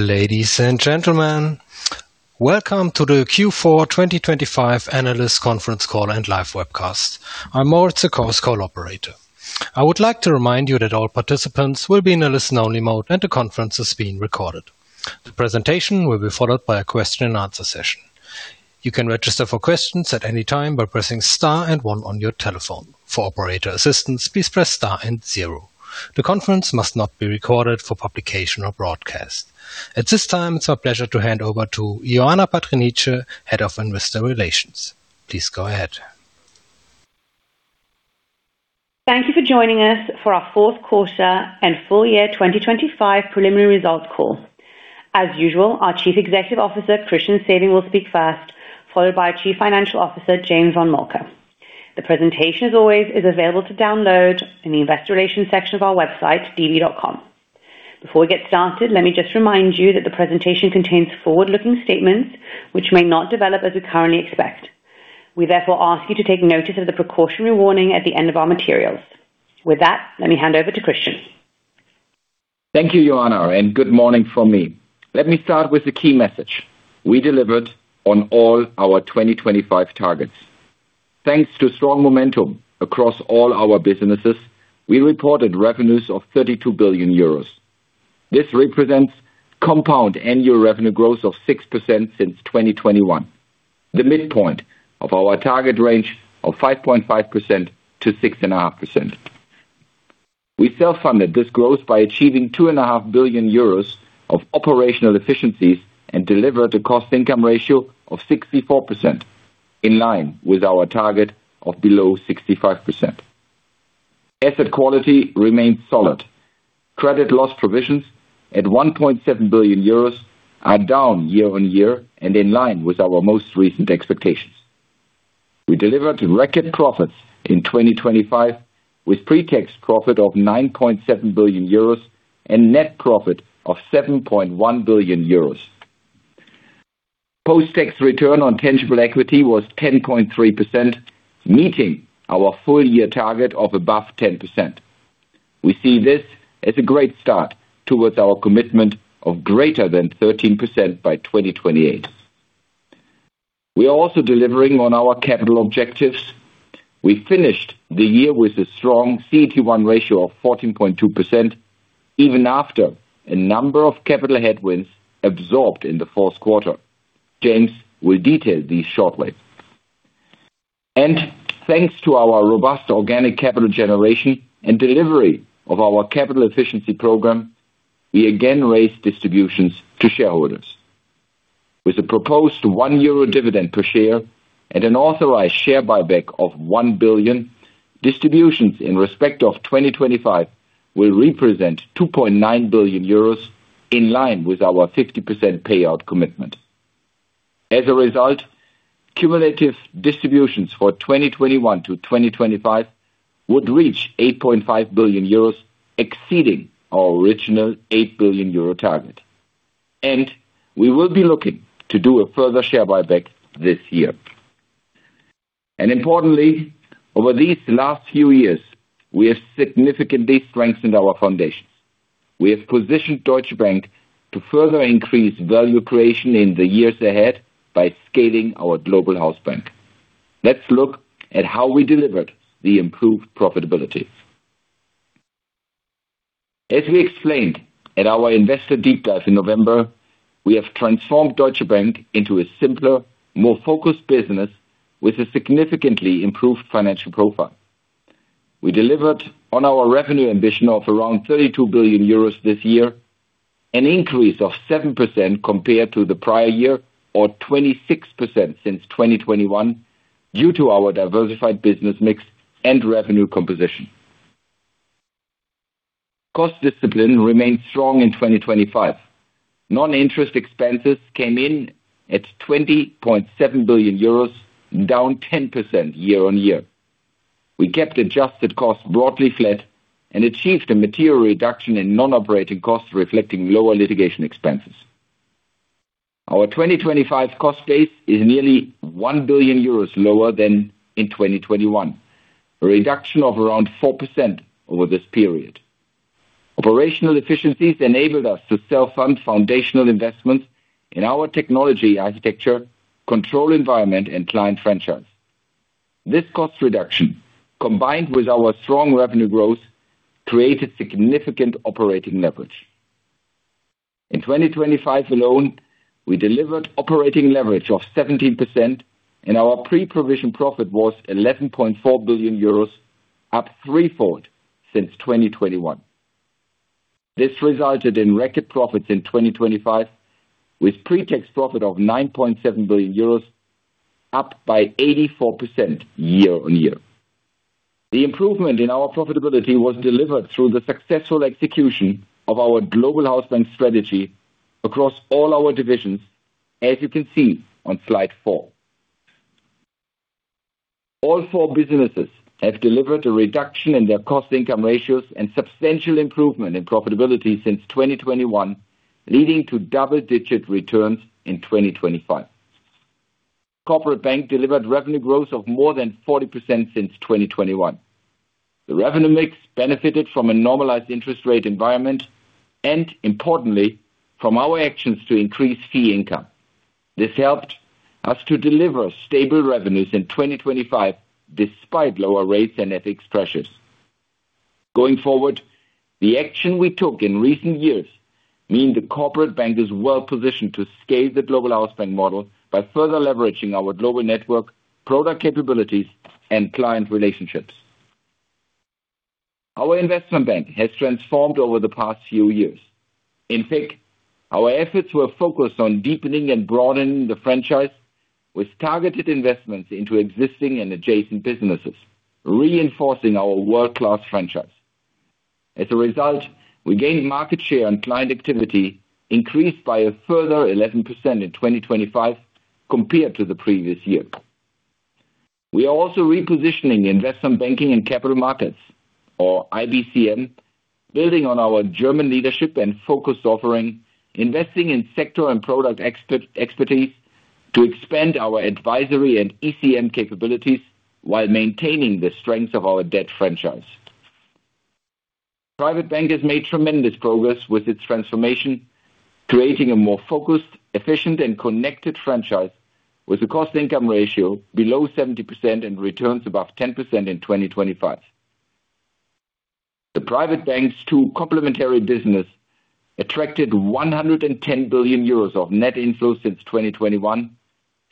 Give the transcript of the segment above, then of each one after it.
Ladies and gentlemen, welcome to the Q4 2025 analyst conference call and live webcast. I'm Moritz, the call's call operator. I would like to remind you that all participants will be in a listen-only mode, and the conference is being recorded. The presentation will be followed by a question and answer session. You can register for questions at any time by pressing star and one on your telephone. For operator assistance, please press star and zero. The conference must not be recorded for publication or broadcast. At this time, it's our pleasure to hand over to Ioana Patriniche, Head of Investor Relations. Please go ahead. Thank you for joining us for our fourth quarter and full-year 2025 preliminary results call. As usual, our Chief Executive Officer, Christian Sewing, will speak first, followed by Chief Financial Officer, James von Moltke. The presentation, as always, is available to download in the investor relations section of our website, db.com. Before we get started, let me just remind you that the presentation contains forward-looking statements which may not develop as we currently expect. We therefore ask you to take notice of the precautionary warning at the end of our materials. With that, let me hand over to Christian. Thank you, loana, and good morning from me. Let me start with the key message. We delivered on all our 2025 targets. Thanks to strong momentum across all our businesses, we reported revenues of 32 billion euros. This represents compound annual revenue growth of 6% since 2021, the midpoint of our target range of 5.5%-6.5%. We self-funded this growth by achieving 2.5 billion euros of operational efficiencies and delivered a cost income ratio of 64%, in line with our target of below 65%. Asset quality remains solid. Credit loss provisions at 1.7 billion euros are down year-on-year and in line with our most recent expectations. We delivered record profits in 2025, with pre-tax profit of 9.7 billion euros and net profit of 7.1 billion euros. Post-tax return on tangible equity was 10.3%, meeting our full-year target of above 10%. We see this as a great start towards our commitment of greater than 13% by 2028. We are also delivering on our capital objectives. We finished the year with a strong CET1 ratio of 14.2%, even after a number of capital headwinds absorbed in the fourth quarter. James will detail these shortly. And thanks to our robust organic capital generation and delivery of our capital efficiency program, we again raised distributions to shareholders. With a proposed 1 euro dividend per share and an authorized share buyback of 1 billion, distributions in respect of 2025 will represent 2.9 billion euros, in line with our 50% payout commitment. As a result, cumulative distributions for 2021-2025 would reach 8.5 billion euros, exceeding our original 8 billion euro target. We will be looking to do a further share buyback this year. Importantly, over these last few years, we have significantly strengthened our foundations. We have positioned Deutsche Bank to further increase value creation in the years ahead by scaling our Global House Bank. Let's look at how we delivered the improved profitability. As we explained at our investor deep dive in November, we have transformed Deutsche Bank into a simpler, more focused business with a significantly improved financial profile. We delivered on our revenue ambition of around 32 billion euros this year, an increase of 7% compared to the prior-year, or 26% since 2021, due to our diversified business mix and revenue composition. Cost discipline remained strong in 2025. Non-interest expenses came in at 20.7 billion euros, down 10% year-on-year. We kept adjusted costs broadly flat and achieved a material reduction in non-operating costs, reflecting lower litigation expenses. Our 2025 cost base is nearly 1 billion euros lower than in 2021, a reduction of around 4% over this period. Operational efficiencies enabled us to self-fund foundational investments in our technology architecture, control environment and client franchise. This cost reduction, combined with our strong revenue growth, created significant operating leverage. In 2025 alone, we delivered operating leverage of 17%, and our pre-provision profit was 11.4 billion euros, up threefold since 2021. This resulted in record profits in 2025, with pre-tax profit of 9.7 billion euros, up by 84% year-on-year. The improvement in our profitability was delivered through the successful execution of our Global House Bank strategy across all our divisions, as you can see on slide four. All four businesses have delivered a reduction in their cost-income ratios and substantial improvement in profitability since 2021, leading to double-digit returns in 2025.... Corporate Bank delivered revenue growth of more than 40% since 2021. The revenue mix benefited from a normalized interest rate environment and importantly, from our actions to increase fee income. This helped us to deliver stable revenues in 2025, despite lower rates and asset pressures. Going forward, the action we took in recent years mean the Corporate Bank is well positioned to scale the Global House Bank model by further leveraging our global network, product capabilities, and client relationships. Our Investment Bank has transformed over the past few years. In fact, our efforts were focused on deepening and broadening the franchise with targeted investments into existing and adjacent businesses, reinforcing our world-class franchise. As a result, we gained market share and client activity increased by a further 11% in 2025 compared to the previous year. We are also Investment Banking and Capital Markets, or IBCM, building on our German leadership and focused offering, investing in sector and product expertise to expand our advisory and ECM capabilities while maintaining the strength of our debt franchise. Private Bank has made tremendous progress with its transformation, creating a more focused, efficient, and connected franchise with a cost-income ratio below 70% and returns above 10% in 2025. The Private Bank's two complementary businesses attracted 110 billion euros of net inflows since 2021,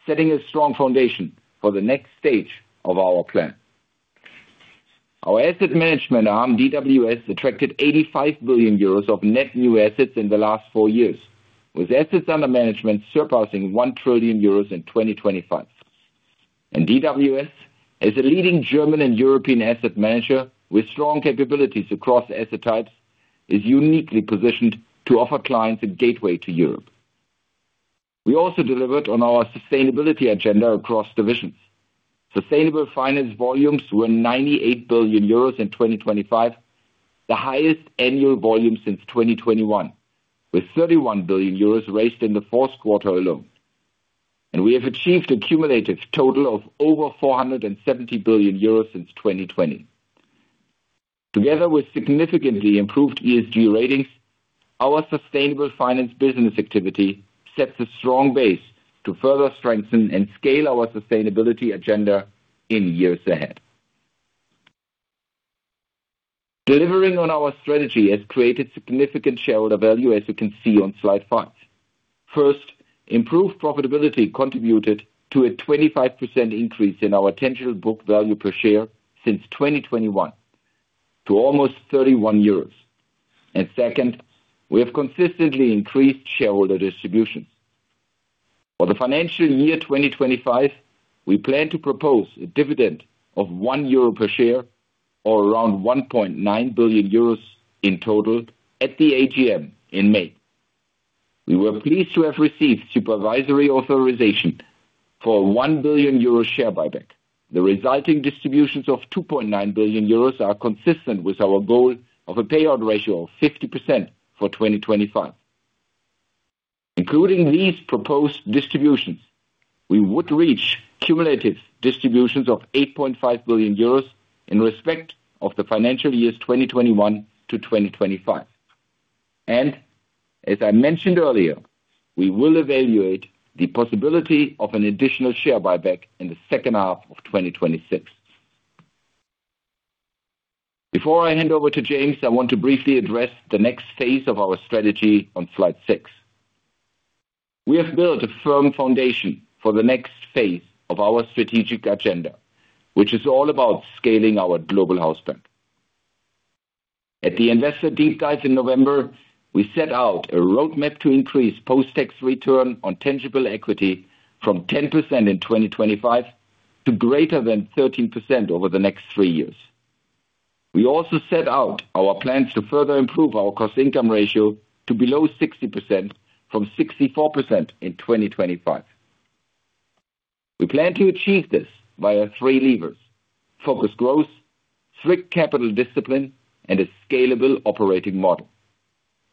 setting a strong foundation for the next stage of our plan. Our Asset Management arm, DWS, attracted 85 billion euros of net new assets in the last four years, with assets under management surpassing 1 trillion euros in 2025. DWS, as a leading German and European asset manager with strong capabilities across asset types, is uniquely positioned to offer clients a gateway to Europe. We also delivered on our sustainability agenda across divisions. Sustainable finance volumes were 98 billion euros in 2025, the highest annual volume since 2021, with 31 billion euros raised in the fourth quarter alone. We have achieved a cumulative total of over 470 billion euros since 2020. Together with significantly improved ESG ratings, our sustainable finance business activity sets a strong base to further strengthen and scale our sustainability agenda in years ahead. Delivering on our strategy has created significant shareholder value, as you can see on slide five. First, improved profitability contributed to a 25% increase in our tangible book value per share since 2021 to almost 31 euros. Second, we have consistently increased shareholder distributions. For the financial year 2025, we plan to propose a dividend of 1 euro per share, or around 1.9 billion euros in total at the AGM in May. We were pleased to have received supervisory authorization for 1 billion euro share buyback. The resulting distributions of 2.9 billion euros are consistent with our goal of a payout ratio of 50% for 2025. Including these proposed distributions, we would reach cumulative distributions of 8.5 billion euros in respect of the financial years 2021- 2025. And as I mentioned earlier, we will evaluate the possibility of an additional share buyback in the second half of 2026. Before I hand over to James, I want to briefly address the next phase of our strategy on slide six. We have built a firm foundation for the next phase of our strategic agenda, which is all about scaling our global house bank. At the Investor Deep Dive in November, we set out a roadmap to increase post-tax return on tangible equity from 10% in 2025 to greater than 13% over the next three years. We also set out our plans to further improve our cost income ratio to below 60% from 64% in 2025. We plan to achieve this via three levers: focused growth, strict capital discipline, and a scalable operating model.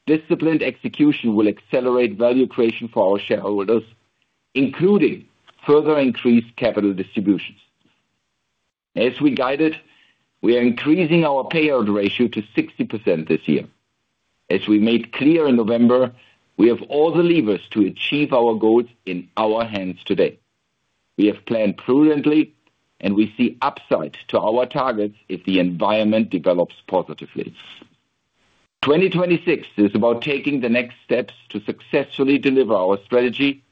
Disciplined execution will accelerate value creation for our shareholders, including further increased capital distributions. As we guided, we are increasing our payout ratio to 60% this year. As we made clear in November, we have all the levers to achieve our goals in our hands today. We have planned prudently, and we see upside to our targets if the environment develops positively. 2026 is about taking the next steps to successfully deliver our strategy,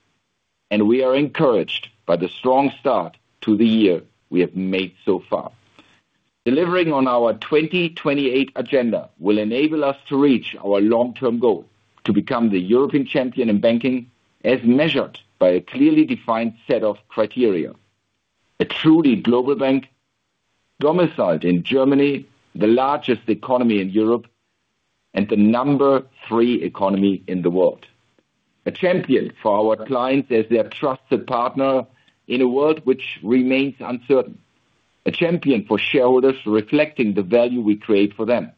and we are encouraged by the strong start to the year we have made so far. Delivering on our 2028 agenda will enable us to reach our long-term goal to become the European champion in banking, as measured by a clearly defined set of criteria. A truly global bank domiciled in Germany, the largest economy in Europe, and the number three economy in the world. A champion for our clients as their trusted partner in a world which remains uncertain. A champion for shareholders, reflecting the value we create for them...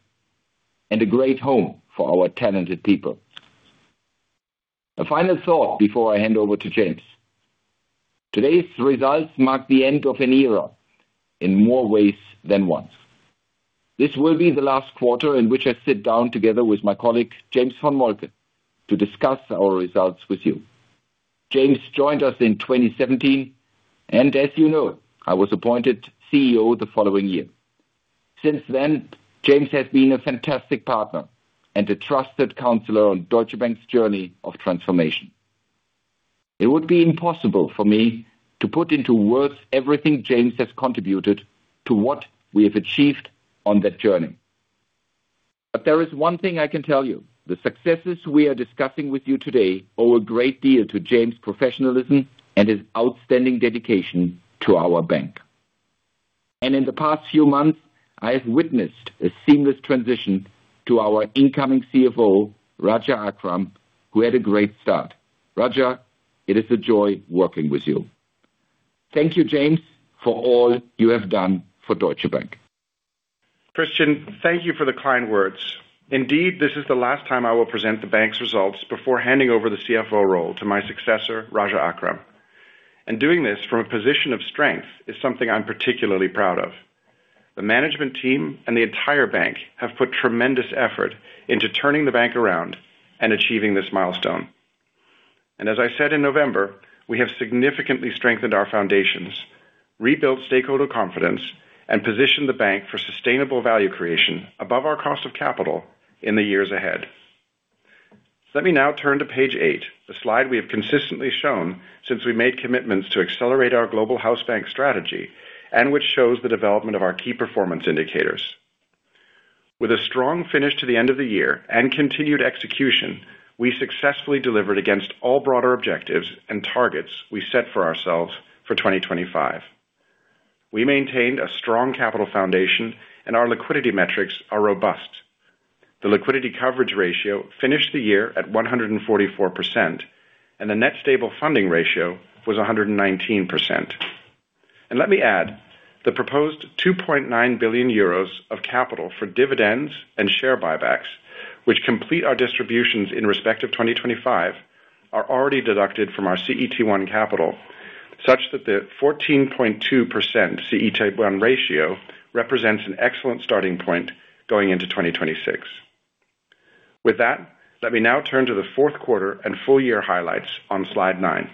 and a great home for our talented people. A final thought before I hand over to James. Today's results mark the end of an era in more ways than one. This will be the last quarter in which I sit down together with my colleague, James von Moltke, to discuss our results with you. James joined us in 2017, and as you know, I was appointed CEO the following year. Since then, James has been a fantastic partner and a trusted counselor on Deutsche Bank's journey of transformation. It would be impossible for me to put into words everything James has contributed to what we have achieved on that journey. There is one thing I can tell you, the successes we are discussing with you today owe a great deal to James' professionalism and his outstanding dedication to our bank. In the past few months, I have witnessed a seamless transition to our incoming CFO, Raja Akram, who had a great start. Raja, it is a joy working with you. Thank you, James, for all you have done for Deutsche Bank. Christian, thank you for the kind words. Indeed, this is the last time I will present the bank's results before handing over the CFO role to my successor, Raja Akram. And doing this from a position of strength is something I'm particularly proud of. The management team and the entire bank have put tremendous effort into turning the bank around and achieving this milestone. And as I said in November, we have significantly strengthened our foundations, rebuilt stakeholder confidence, and positioned the bank for sustainable value creation above our cost of capital in the years ahead. Let me now turn to page eight, the slide we have consistently shown since we made commitments to accelerate our global house bank strategy, and which shows the development of our key performance indicators. With a strong finish to the end of the year and continued execution, we successfully delivered against all broader objectives and targets we set for ourselves for 2025. We maintained a strong capital foundation, and our liquidity metrics are robust. The liquidity coverage ratio finished the year at 144%, and the net stable funding ratio was 119%. Let me add, the proposed 2.9 billion euros of capital for dividends and share buybacks, which complete our distributions in respect of 2025, are already deducted from our CET1 capital, such that the 14.2% CET1 ratio represents an excellent starting point going into 2026. With that, let me now turn to the fourth quarter and full-year highlights on slide nine.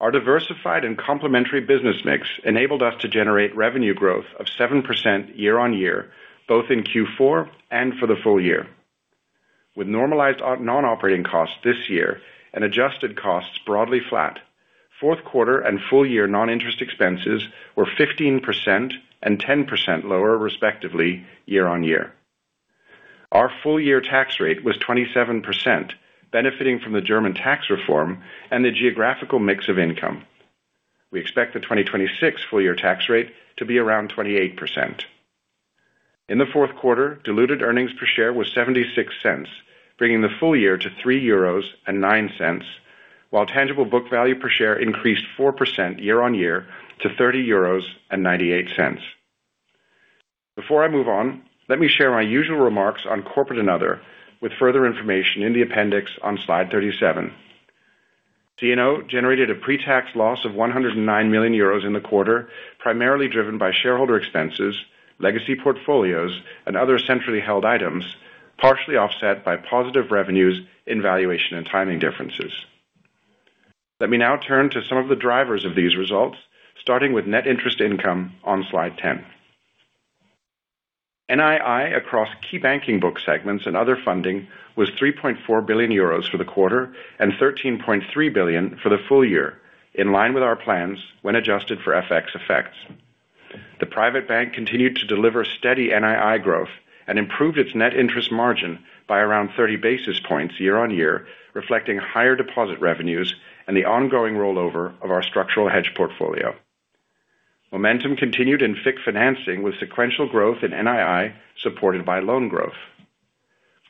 Our diversified and complementary business mix enabled us to generate revenue growth of 7% year-over-year, both in Q4 and for the full-year. With normalized non-operating costs this year and adjusted costs broadly flat, fourth quarter and full-year non-interest expenses were 15% and 10% lower, respectively, year-over-year. Our full-year tax rate was 27%, benefiting from the German tax reform and the geographical mix of income. We expect the 2026 full-year tax rate to be around 28%. In the fourth quarter, diluted earnings per share was 0.76 EUR, bringing the full-year to 3.09 euros, while tangible book value per share increased 4% year-over-year to 30.98 euros. Before I move on, let me share my usual remarks on Corporate & Other, with further information in the appendix on slide 37. C&O generated a pre-tax loss of 109 million euros in the quarter, primarily driven by shareholder expenses, legacy portfolios, and other centrally held items, partially offset by positive revenues in valuation and timing differences. Let me now turn to some of the drivers of these results, starting with net interest income on slide 10. NII across key banking book segments and other funding was 3.4 billion euros for the quarter and 13.3 billion for the full-year, in line with our plans when adjusted for FX effects. The Private Bank continued to deliver steady NII growth and improved its net interest margin by around 30 basis points year-on-year, reflecting higher deposit revenues and the ongoing rollover of our structural hedge portfolio. Momentum continued in FIC financing, with sequential growth in NII supported by loan growth.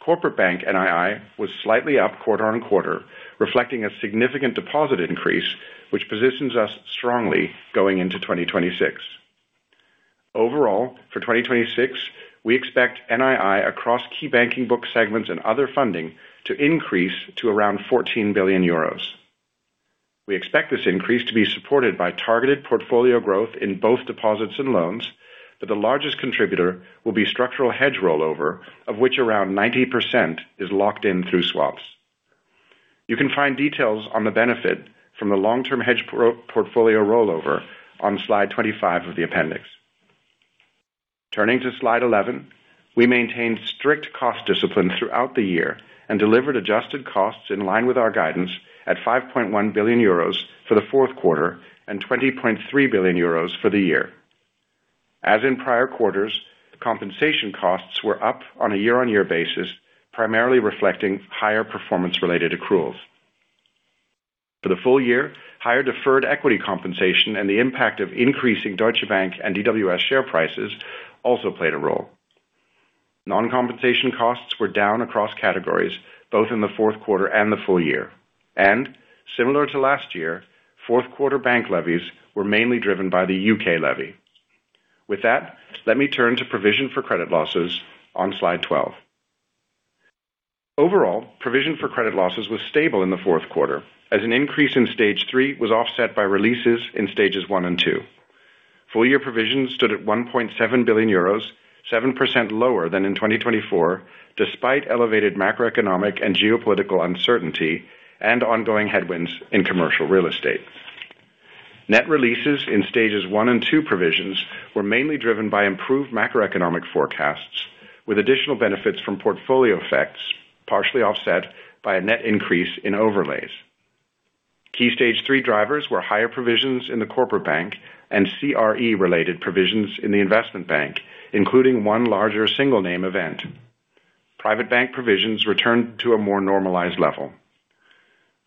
Corporate Bank NII was slightly up quarter-on-quarter, reflecting a significant deposit increase, which positions us strongly going into 2026. Overall, for 2026, we expect NII across key banking book segments and other funding to increase to around 14 billion euros. We expect this increase to be supported by targeted portfolio growth in both deposits and loans, but the largest contributor will be structural hedge rollover, of which around 90% is locked in through swaps. You can find details on the benefit from the long-term hedge portfolio rollover on slide 25 of the appendix. Turning to slide 11, we maintained strict cost discipline throughout the year and delivered adjusted costs in line with our guidance at 5.1 billion euros for the fourth quarter and 20.3 billion euros for the year. As in prior quarters, compensation costs were up on a year-on-year basis, primarily reflecting higher performance-related accruals. For the full-year, higher deferred equity compensation and the impact of increasing Deutsche Bank and DWS share prices also played a role. Non-compensation costs were down across categories, both in the fourth quarter and the full-year. Similar to last year, fourth quarter bank levies were mainly driven by the UK levy. With that, let me turn to provision for credit losses on slide 12. Overall, provision for credit losses was stable in the fourth quarter, as an increase in Stage 3 was offset by releases in Stages 1 and 2. full-year provisions stood at 1.7 billion euros, 7% lower than in 2024, despite elevated macroeconomic and geopolitical uncertainty and ongoing headwinds in commercial real estate. Net releases in Stage 1 and 2 provisions were mainly driven by improved macroeconomic forecasts, with additional benefits from portfolio effects, partially offset by a net increase in overlays. Key Stage 3 drivers were higher provisions in the Corporate Bank and CRE related provisions in the Investment Bank, including one larger single name event. Private Bank provisions returned to a more normalized level.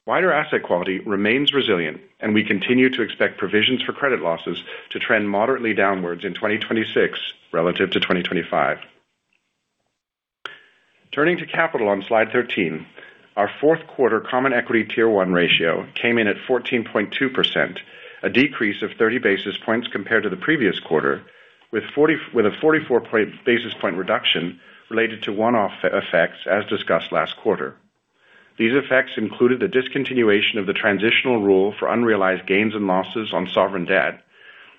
Wider asset quality remains resilient, and we continue to expect provisions for credit losses to trend moderately downwards in 2026 relative to 2025. Turning to capital on Slide 13, our fourth quarter Common Equity Tier 1 ratio came in at 14.2%, a decrease of 30 basis points compared to the previous quarter, with a 44 basis point reduction related to one-off effects, as discussed last quarter. These effects included the discontinuation of the transitional rule for unrealized gains and losses on sovereign debt,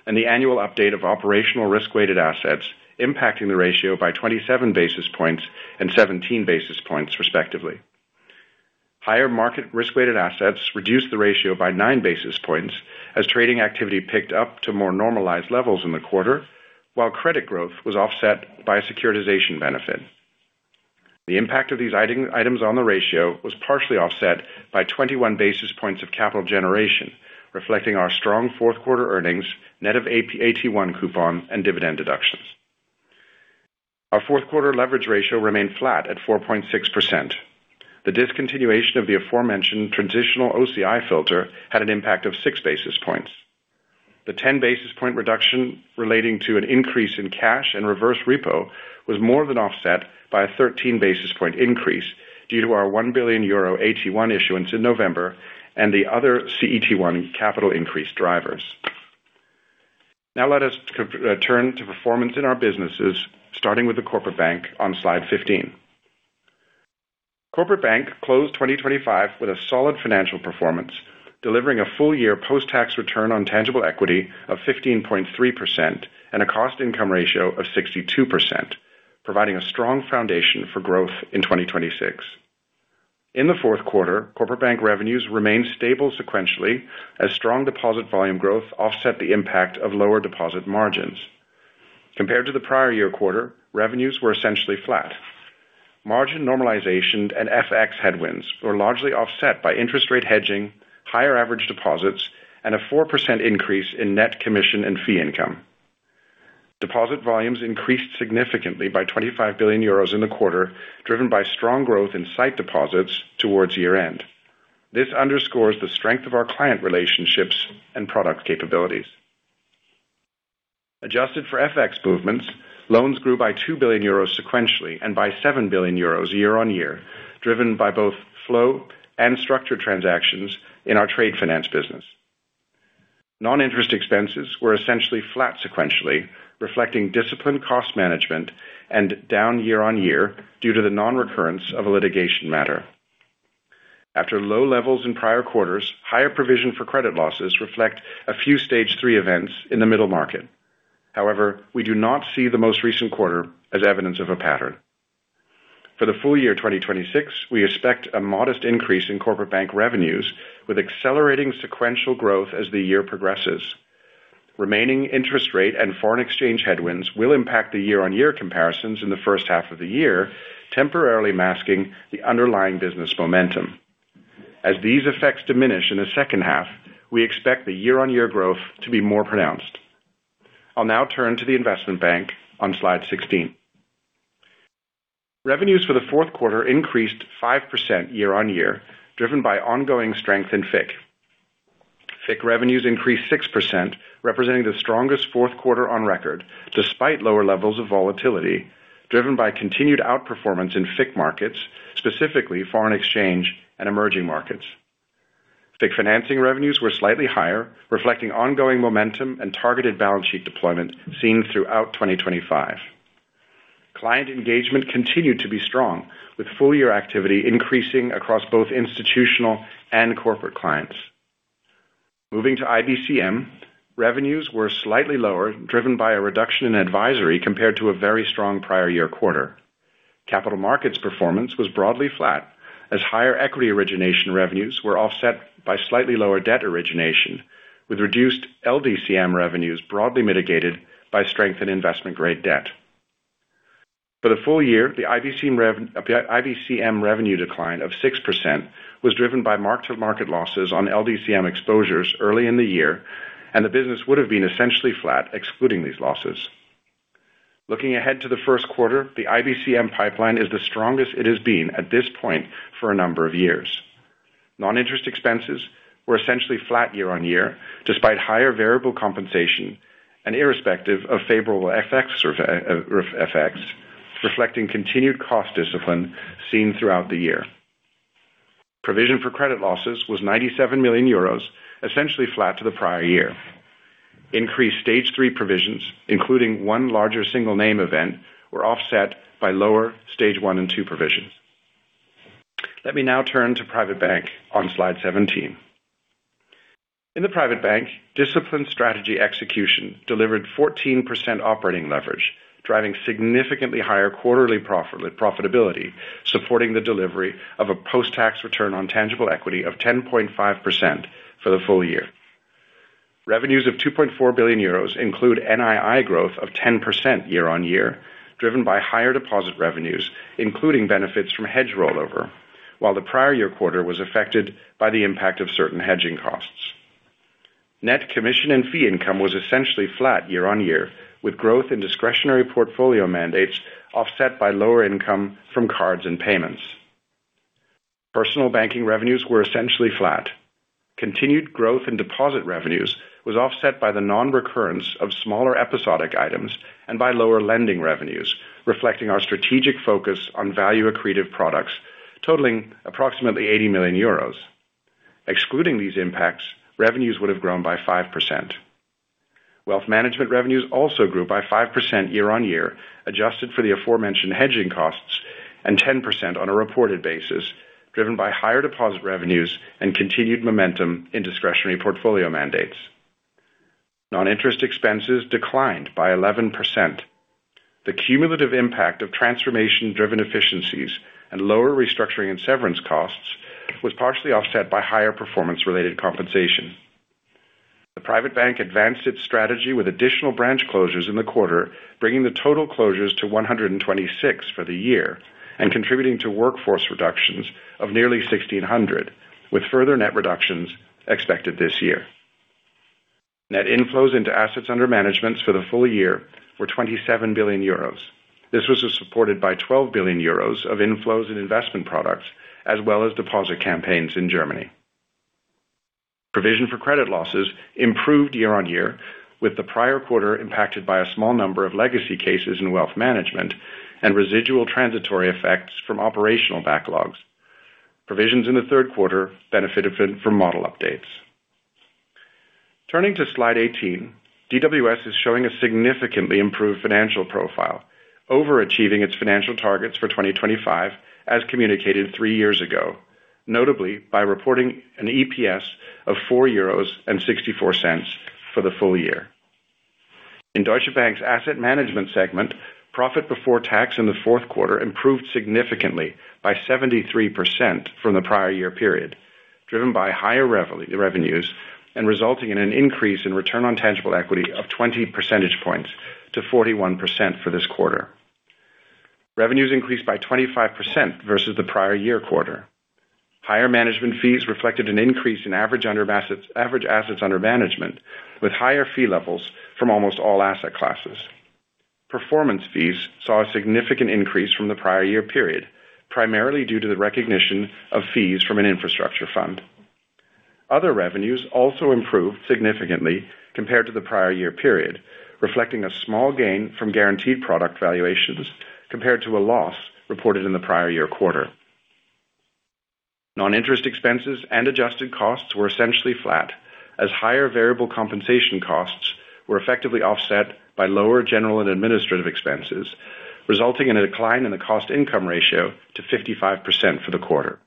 and the annual update of operational risk-weighted assets, impacting the ratio by 27 basis points and 17 basis points, respectively. Higher market risk-weighted assets reduced the ratio by 9 basis points as trading activity picked up to more normalized levels in the quarter, while credit growth was offset by a securitization benefit. The impact of these items on the ratio was partially offset by 21 basis points of capital generation, reflecting our strong fourth quarter earnings, net of AP, AT1 coupon and dividend deductions. Our fourth quarter leverage ratio remained flat at 4.6%. The discontinuation of the aforementioned transitional OCI filter had an impact of six basis points. The 10 basis point reduction relating to an increase in cash and reverse repo was more than offset by a 13 basis point increase, due to our 1 billion euro AT1 issuance in November and the other CET1 capital increase drivers. Now let us turn to performance in our businesses, starting with the Corporate Bank on Slide 15. Corporate Bank closed 2025 with a solid financial performance, delivering a full-year post-tax return on tangible equity of 15.3% and a cost income ratio of 62%, providing a strong foundation for growth in 2026. In the fourth quarter, Corporate Bank revenues remained stable sequentially, as strong deposit volume growth offset the impact of lower deposit margins. Compared to the prior-year quarter, revenues were essentially flat. Margin normalization and FX headwinds were largely offset by interest rate hedging, higher average deposits, and a 4% increase in net commission and fee income. Deposit volumes increased significantly by 25 billion euros in the quarter, driven by strong growth in sight deposits towards year-end. This underscores the strength of our client relationships and product capabilities. Adjusted for FX movements, loans grew by 2 billion euros sequentially and by 7 billion euros year-over-year, driven by both flow and structured transactions in our trade finance business. Non-interest expenses were essentially flat sequentially, reflecting disciplined cost management and down year-over-year, due to the non-recurrence of a litigation matter. After low levels in prior quarters, higher provision for credit losses reflect a few Stage 3 events in the middle market. However, we do not see the most recent quarter as evidence of a pattern. For the full-year 2026, we expect a modest increase in Corporate Bank revenues, with accelerating sequential growth as the year progresses. Remaining interest rate and foreign exchange headwinds will impact the year-over-year comparisons in the first half of the year, temporarily masking the underlying business momentum. As these effects diminish in the second half, we expect the year-over-year growth to be more pronounced. I'll now turn to the Investment Bank on Slide 16. Revenues for the fourth quarter increased 5% year-on-year, driven by ongoing strength in FIC. FIC revenues increased 6%, representing the strongest fourth quarter on record, despite lower levels of volatility, driven by continued outperformance in FIC markets, specifically foreign exchange and emerging markets. FIC financing revenues were slightly higher, reflecting ongoing momentum and targeted balance sheet deployment seen throughout 2025. Client engagement continued to be strong, with full-year activity increasing across both institutional and corporate clients. Moving to IBCM, revenues were slightly lower, driven by a reduction in advisory compared to a very strong prior-year quarter. Capital markets performance was broadly flat, as higher equity origination revenues were offset by slightly lower debt origination, with reduced LDCM revenues broadly mitigated by strength in investment grade debt. For the full-year, the IBCM revenue decline of 6% was driven by mark-to-market losses on LDCM exposures early in the year, and the business would have been essentially flat, excluding these losses. Looking ahead to the first quarter, the IBCM pipeline is the strongest it has been at this point for a number of years. Non-interest expenses were essentially flat year-on-year, despite higher variable compensation and irrespective of favorable FX effects, reflecting continued cost discipline seen throughout the year. Provision for credit losses was 97 million euros, essentially flat to the prior-year. Increased Stage 3 provisions, including one larger single name event, were offset by lower Stage 1 and 2 provisions. Let me now turn to Private Bank on slide 17. In the Private Bank, disciplined strategy execution delivered 14% operating leverage, driving significantly higher quarterly profitability, supporting the delivery of a post-tax return on tangible equity of 10.5% for the full-year. Revenues of 2.4 billion euros include NII growth of 10% year-on-year, driven by higher deposit revenues, including benefits from hedge rollover, while the prior-year quarter was affected by the impact of certain hedging costs. Net commission and fee income was essentially flat year-on-year, with growth in discretionary portfolio mandates offset by lower income from cards Personal Banking revenues were essentially flat. Continued growth in deposit revenues was offset by the non-recurrence of smaller episodic items and by lower lending revenues, reflecting our strategic focus on value-accretive products totaling approximately 80 million euros. Excluding these impacts, revenues would have grown by 5%. Wealth Management revenues also grew by 5% year-on-year, adjusted for the aforementioned hedging costs and 10% on a reported basis, driven by higher deposit revenues and continued momentum in discretionary portfolio mandates. Non-interest expenses declined by 11%. The cumulative impact of transformation-driven efficiencies and lower restructuring and severance costs was partially offset by higher performance-related compensation. The Private Bank advanced its strategy with additional branch closures in the quarter, bringing the total closures to 126 for the year and contributing to workforce reductions of nearly 1,600, with further net reductions expected this year. Net inflows into assets under management for the full-year were 27 billion euros. This was supported by 12 billion euros of inflows in investment products, as well as deposit campaigns in Germany. Provision for credit losses improved year-on-year, with the prior quarter impacted by a small number of legacy cases in Wealth Management and residual transitory effects from operational backlogs. Provisions in the third quarter benefited from model updates. Turning to slide 18, DWS is showing a significantly improved financial profile, overachieving its financial targets for 2025, as communicated 3 years ago, notably by reporting an EPS of 4.64 euros for the full-year. In Deutsche Bank's Asset Management segment, profit before tax in the fourth quarter improved significantly by 73% from the prior-year period, driven by higher revenues and resulting in an increase in return on tangible equity of 20 percentage points to 41% for this quarter. Revenues increased by 25% versus the prior-year quarter. Higher management fees reflected an increase in average assets under management, with higher fee levels from almost all asset classes. Performance fees saw a significant increase from the prior-year period, primarily due to the recognition of fees from an infrastructure fund. Other revenues also improved significantly compared to the prior-year period, reflecting a small gain from guaranteed product valuations compared to a loss reported in the prior-year quarter. Non-interest expenses and adjusted costs were essentially flat, as higher variable compensation costs were effectively offset by lower general and administrative expenses, resulting in a decline in the cost income ratio to 55% for the quarter.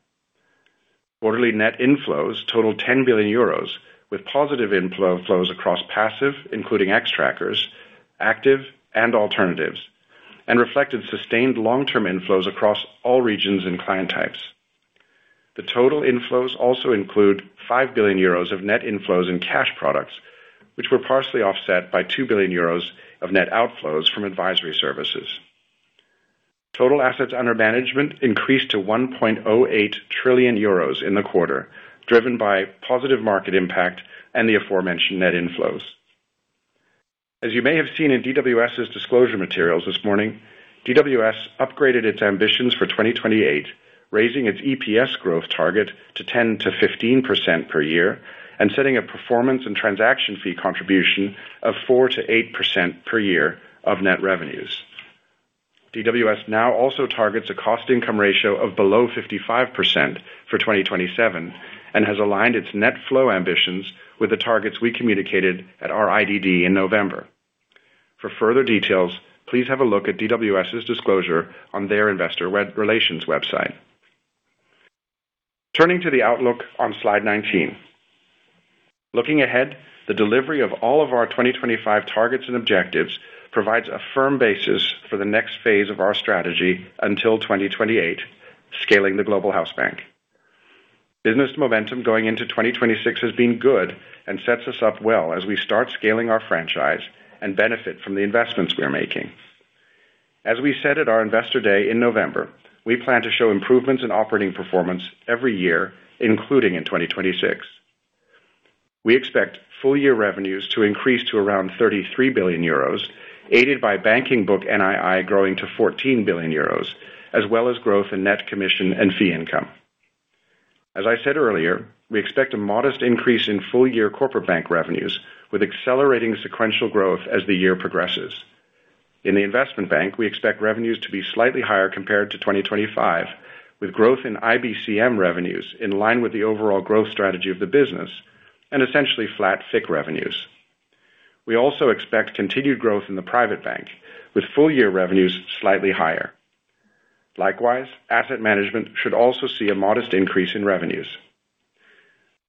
Quarterly net inflows totaled 10 billion euros, with positive inflows across passive, including Xtrackers, active and alternatives, and reflected sustained long-term inflows across all regions and client types. The total inflows also include 5 billion euros of net inflows in cash products, which were partially offset by 2 billion euros of net outflows from advisory services. Total assets under management increased to 1.08 trillion euros in the quarter, driven by positive market impact and the aforementioned net inflows. As you may have seen in DWS's disclosure materials this morning, DWS upgraded its ambitions for 2028, raising its EPS growth target to 10%-15% per year and setting a performance and transaction fee contribution of 4%-8% per year of net revenues. DWS now also targets a cost income ratio of below 55% for 2027 and has aligned its net flow ambitions with the targets we communicated at our IDD in November. For further details, please have a look at DWS's disclosure on their investor relations website. Turning to the outlook on slide 19. Looking ahead, the delivery of all of our 2025 targets and objectives provides a firm basis for the next phase of our strategy until 2028, scaling the global house bank. Business momentum going into 2026 has been good and sets us up well as we start scaling our franchise and benefit from the investments we are making. As we said at our Investor Day in November, we plan to show improvements in operating performance every year, including in 2026. We expect full-year revenues to increase to around 33 billion euros, aided by banking book NII growing to 14 billion euros, as well as growth in net commission and fee income.... As I said earlier, we expect a modest increase in full-year Corporate Bank revenues, with accelerating sequential growth as the year progresses. In the Investment Bank, we expect revenues to be slightly higher compared to 2025, with growth in IBCM revenues in line with the overall growth strategy of the business and essentially flat FIC revenues. We also expect continued growth in the Private Bank, with full-year revenues slightly higher. Likewise, Asset Management should also see a modest increase in revenues.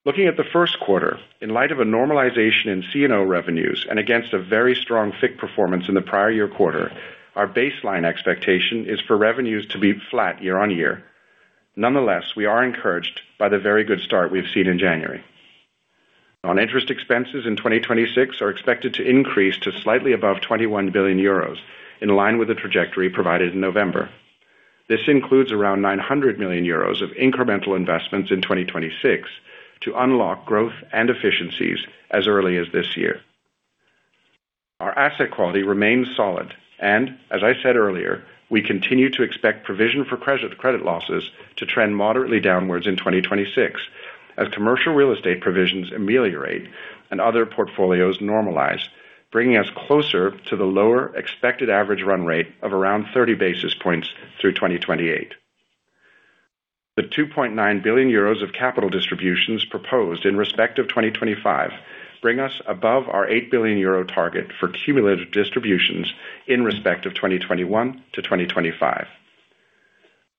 Looking at the first quarter, in light of a normalization in C&O revenues and against a very strong FIC performance in the prior-year quarter, our baseline expectation is for revenues to be flat year-on-year. Nonetheless, we are encouraged by the very good start we've seen in January. Non-interest expenses in 2026 are expected to increase to slightly above 21 billion euros, in line with the trajectory provided in November. This includes around 900 million euros of incremental investments in 2026 to unlock growth and efficiencies as early as this year. Our asset quality remains solid, and as I said earlier, we continue to expect provision for credit, credit losses to trend moderately downwards in 2026, as commercial real estate provisions ameliorate and other portfolios normalize, bringing us closer to the lower expected average run rate of around 30 basis points through 2028. The 2.9 billion euros of capital distributions proposed in respect of 2025, bring us above our 8 billion euro target for cumulative distributions in respect of 2021 to 2025.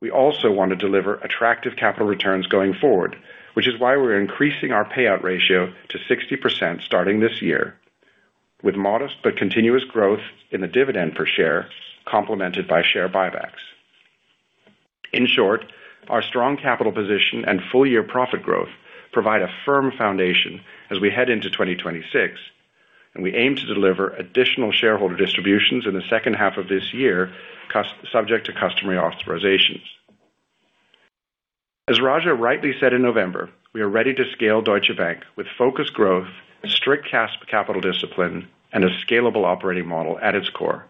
We also want to deliver attractive capital returns going forward, which is why we're increasing our payout ratio to 60% starting this year, with modest but continuous growth in the dividend per share, complemented by share buybacks. In short, our strong capital position and full-year profit growth provide a firm foundation as we head into 2026, and we aim to deliver additional shareholder distributions in the second half of this year, subject to customary authorizations. As Raja rightly said in November, we are ready to scale Deutsche Bank with focused growth, strict capital discipline, and a scalable operating model at its core.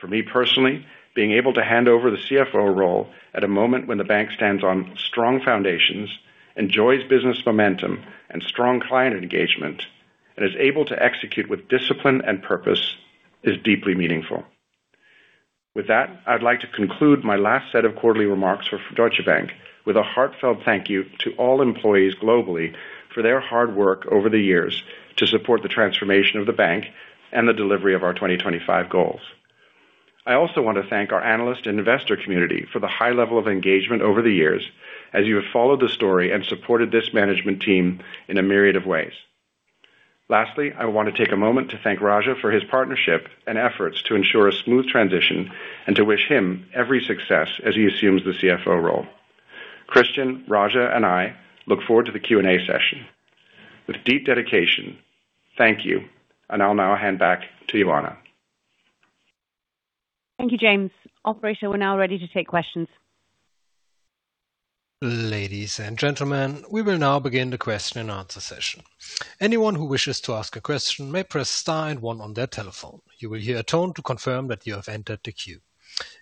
For me personally, being able to hand over the CFO role at a moment when the bank stands on strong foundations, enjoys business momentum and strong client engagement, and is able to execute with discipline and purpose, is deeply meaningful. With that, I'd like to conclude my last set of quarterly remarks for Deutsche Bank with a heartfelt thank you to all employees globally for their hard work over the years to support the transformation of the bank and the delivery of our 2025 goals. I also want to thank our analyst and investor community for the high level of engagement over the years, as you have followed the story and supported this management team in a myriad of ways. Lastly, I want to take a moment to thank Raja for his partnership and efforts to ensure a smooth transition and to wish him every success as he assumes the CFO role. Christian, Raja, and I look forward to the Q&A session. With deep dedication, thank you, and I'll now hand back to Ioana. Thank you, James. Operator, we're now ready to take questions. Ladies and gentlemen, we will now begin the question and answer session. Anyone who wishes to ask a question may press star and one on their telephone. You will hear a tone to confirm that you have entered the queue.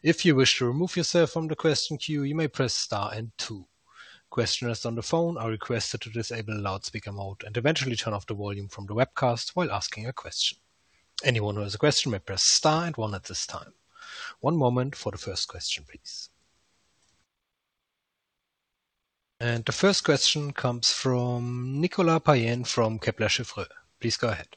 If you wish to remove yourself from the question queue, you may press star and two. Questioners on the phone are requested to disable loudspeaker mode and eventually turn off the volume from the webcast while asking a question. Anyone who has a question may press star and one at this time. One moment for the first question, please. The first question comes from Nicolas Payen from Kepler Cheuvreux. Please go ahead.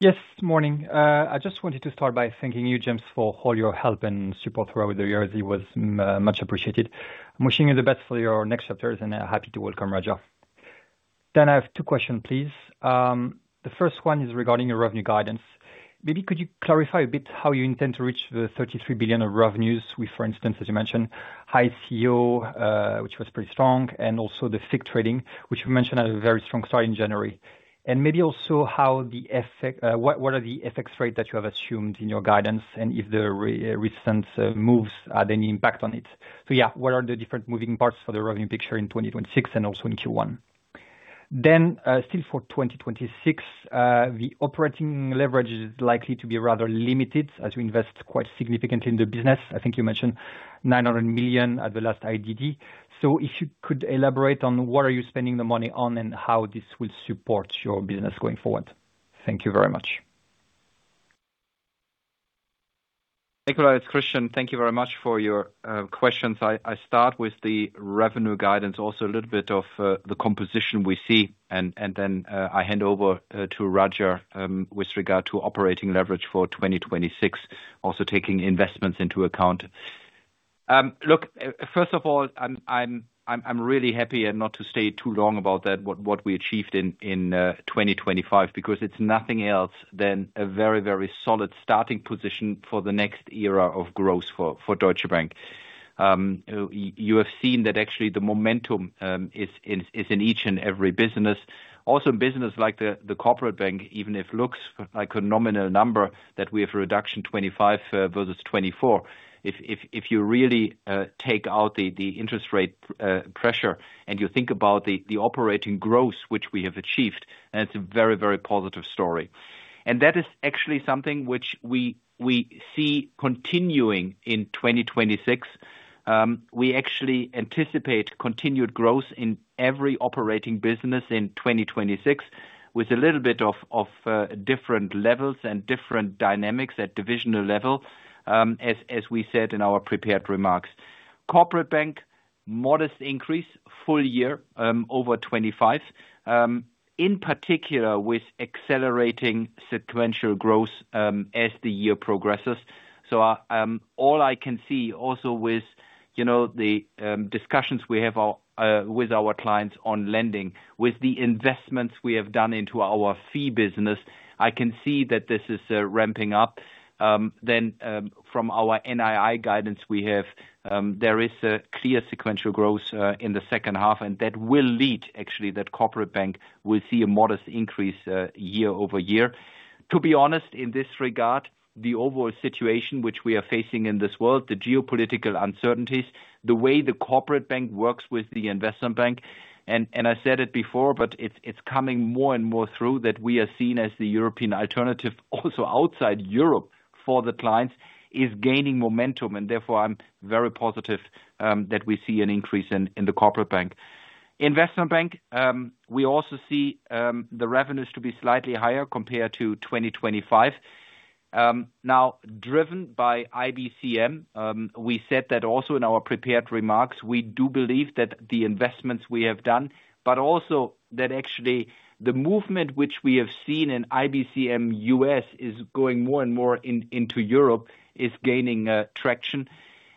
Yes, morning. I just wanted to start by thanking you, James, for all your help and support throughout the years. It was much appreciated. I'm wishing you the best for your next chapters, and I'm happy to welcome Raja. Then I have two questions, please. The first one is regarding your revenue guidance. Maybe could you clarify a bit how you intend to reach the 33 billion of revenues with, for instance, as you mentioned, high CEO, which was pretty strong, and also the FIC trading, which you mentioned had a very strong start in January. And maybe also how the FX—what are the FX rates that you have assumed in your guidance? And if the recent moves had any impact on it. So yeah, what are the different moving parts for the revenue picture in 2026 and also in Q1? Then, still for 2026, the operating leverage is likely to be rather limited as you invest quite significantly in the business. I think you mentioned 900 million at the last IDD. So if you could elaborate on what are you spending the money on and how this will support your business going forward? Thank you very very much. Nicolas, it's Christian. Thank you very much for your questions. I start with the revenue guidance, also a little bit of the composition we see, and then I hand over to Raja with regard to operating leverage for 2026, also taking investments into account. Look, first of all, I'm really happy and not to stay too long about that, what we achieved in 2025, because it's nothing else than a very, very solid starting position for the next era of growth for Deutsche Bank. You have seen that actually the momentum is in each and every business. Also, in business like the Corporate Bank, even if looks like a nominal number, that we have a reduction 25 versus 24. If you really take out the interest rate pressure and you think about the operating growth which we have achieved, and it's a very, very positive story. And that is actually something which we see continuing in 2026. We actually anticipate continued growth in every operating business in 2026, with a little bit of different levels and different dynamics at divisional level, as we said in our prepared remarks. Corporate Bank, modest increase, full-year over 25, in particular with accelerating sequential growth as the year progresses. So, all I can see also with, you know, the discussions we have with our clients on lending, with the investments we have done into our fee business, I can see that this is ramping up. Then, from our NII guidance we have, there is a clear sequential growth in the second half, and that will lead actually, the Corporate Bank will see a modest increase year-over-year. To be honest, in this regard, the overall situation which we are facing in this world, the geopolitical uncertainties, the way the Corporate Bank works with the Investment Bank, and I said it before, but it's coming more and more through that we are seen as the European alternative, also outside Europe, for the clients, is gaining momentum, and therefore I'm very positive that we see an increase in the Corporate Bank. Investment Bank, we also see the revenues to be slightly higher compared to 2025. Now driven by IBCM, we said that also in our prepared remarks. We do believe that the investments we have done, but also that actually the movement which we have seen in IBCM US is going more and more in, into Europe, is gaining traction.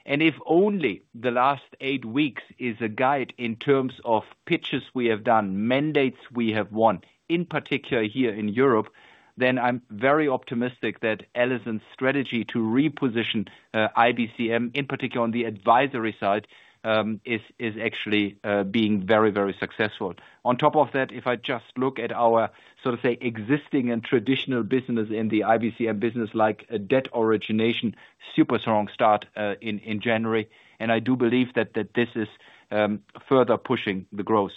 And if only the last eight weeks is a guide in terms of pitches we have done, mandates we have won, in particular here in Europe, then I'm very optimistic that Alison's strategy to reposition IBCM, in particular on the advisory side, is actually being very, very successful. On top of that, if I just look at our, so to say, existing and traditional business in the IBCM business, like debt origination, super strong start in January, and I do believe that this is further pushing the growth.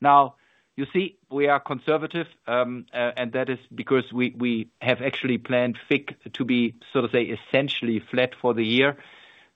Now, you see, we are conservative, and that is because we have actually planned FIC to be, so to say, essentially flat for the year.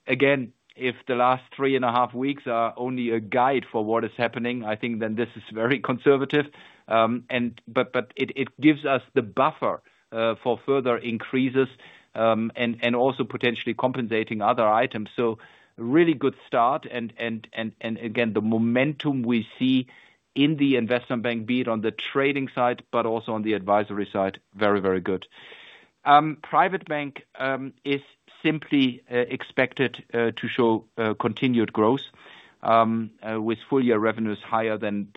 Again, if the last three and a half weeks are only a guide for what is happening, I think then this is very conservative. But it gives us the buffer for further increases and also potentially compensating other items. So really good start and again, the momentum we see in the Investment Bank, be it on the trading side, but also on the advisory side, very, very good. Private Bank is simply expected to show continued growth with full-year revenues higher than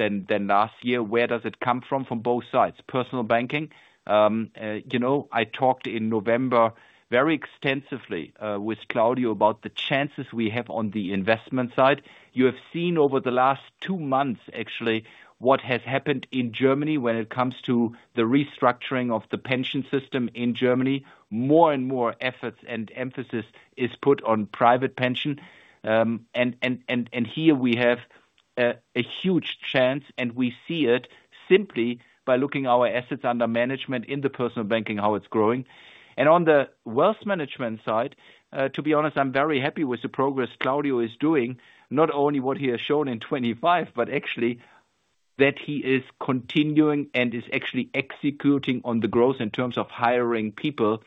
last year. Where does it come from? From both sides. Personal Banking, you know, I talked in November very extensively with Claudio about the chances we have on the investment side. You have seen over the last two months, actually, what has happened in Germany when it comes to the restructuring of the pension system in Germany. More and more efforts and emphasis is put on private pension, and here we have a huge chance, and we see it simply by looking our assets under management Personal Banking, how it's growing. And on the Wealth Management side, to be honest, I'm very happy with the progress Claudio is doing, not only what he has shown in 2025, but actually that he is continuing and is actually executing on the growth in terms of hiring people.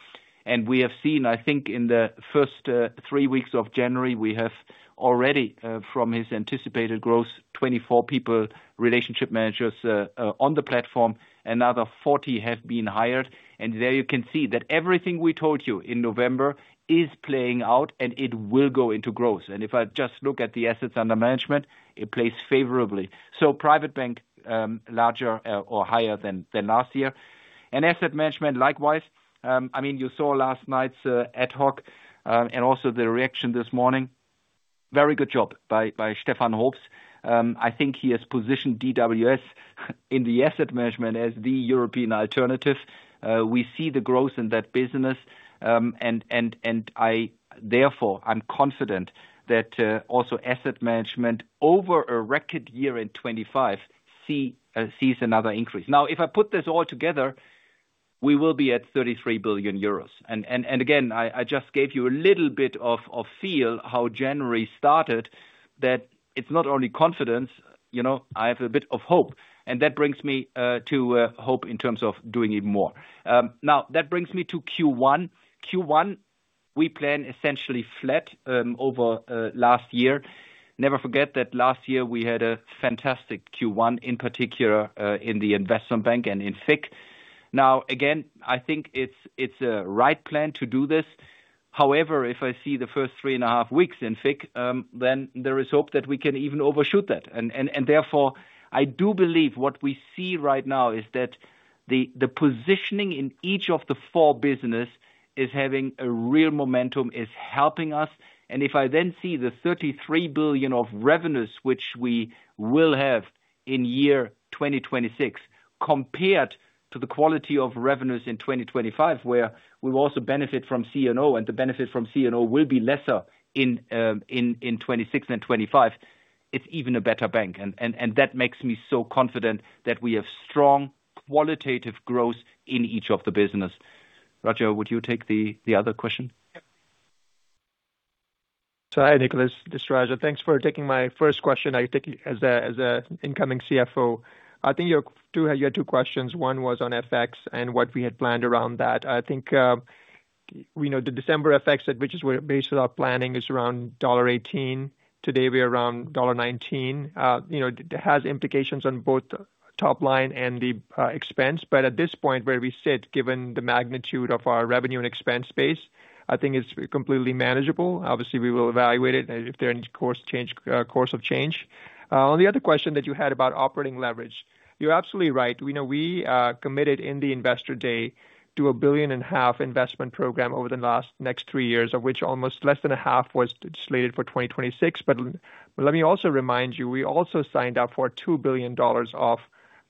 We have seen, I think in the first three weeks of January, we have already from his anticipated growth, 24 people, relationship managers on the platform, another 40 have been hired. There you can see that everything we told you in November is playing out, and it will go into growth. If I just look at the assets under management, it plays favorably. So Private Bank larger or higher than last year. Asset Management, likewise. I mean, you saw last night's ad hoc and also the reaction this morning. Very good job by Stefan Hoops. I think he has positioned DWS in the Asset Management as the European alternative. We see the growth in that business, and I therefore, I'm confident that, also Asset Management over a record year in 2025 sees another increase. Now, if I put this all together, we will be at 33 billion euros. And again, I just gave you a little bit of feel how January started, that it's not only confidence, you know, I have a bit of hope. And that brings me to hope in terms of doing even more. Now, that brings me to Q1. Q1, we plan essentially flat over last year. Never forget that last year we had a fantastic Q1, in particular, in the Investment Bank and in FIC. Now, again, I think it's a right plan to do this. However, if I see the first 3.5 weeks in FIC, then there is hope that we can even overshoot that. And therefore, I do believe what we see right now is that the positioning in each of the four business is having a real momentum, is helping us. And if I then see the 33 billion of revenues, which we will have in year 2026, compared to the quality of revenues in 2025, where we will also benefit from C&O, and the benefit from C&O will be lesser in 2026 than 25.... it's even a better bank, and that makes me so confident that we have strong qualitative growth in each of the business. Raja, would you take the other question? Yep. So hi, Nicholas, this is Raja. Thanks for taking my first question, I take as a, as a incoming CFO. I think you have two - you had two questions. One was on FX and what we had planned around that. I think, we know the December FX, at which is where based on our planning, is around $1.18. Today, we are around $1.19. You know, it has implications on both top line and the, expense, but at this point, where we sit, given the magnitude of our revenue and expense base, I think it's completely manageable. Obviously, we will evaluate it if there are any course change, course of change. On the other question that you had about operating leverage, you're absolutely right. We know we committed in the Investor Day to a $1.5 billion investment program over the next three years, of which almost less than a half was slated for 2026. But let me also remind you, we also signed up for $2 billion of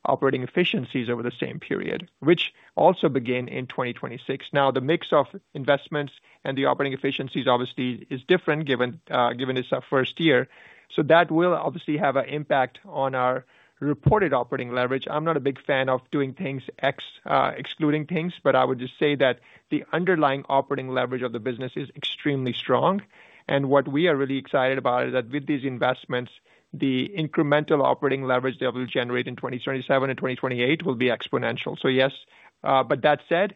operating efficiencies over the same period, which also began in 2026. Now, the mix of investments and the operating efficiencies obviously is different, given it's our first year. So that will obviously have an impact on our reported operating leverage. I'm not a big fan of doing things excluding things, but I would just say that the underlying operating leverage of the business is extremely strong. And what we are really excited about is that with these investments, the incremental operating leverage that we'll generate in 2027 and 2028 will be exponential. So yes, but that said,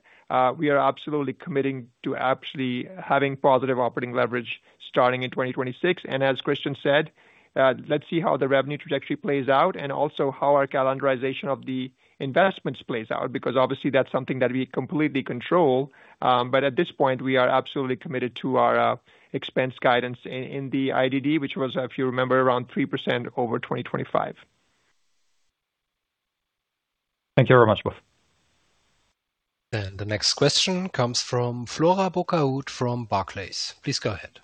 we are absolutely committing to actually having positive operating leverage starting in 2026. And as Christian said, let's see how the revenue trajectory plays out and also how our calendarization of the investments plays out, because obviously, that's something that we completely control. But at this point, we are absolutely committed to our, expense guidance in, in the IDD, which was, if you remember, around 3% over 2025. Thank you very much, both. The next question comes from Flora Bocahut from Barclays. Please go ahead.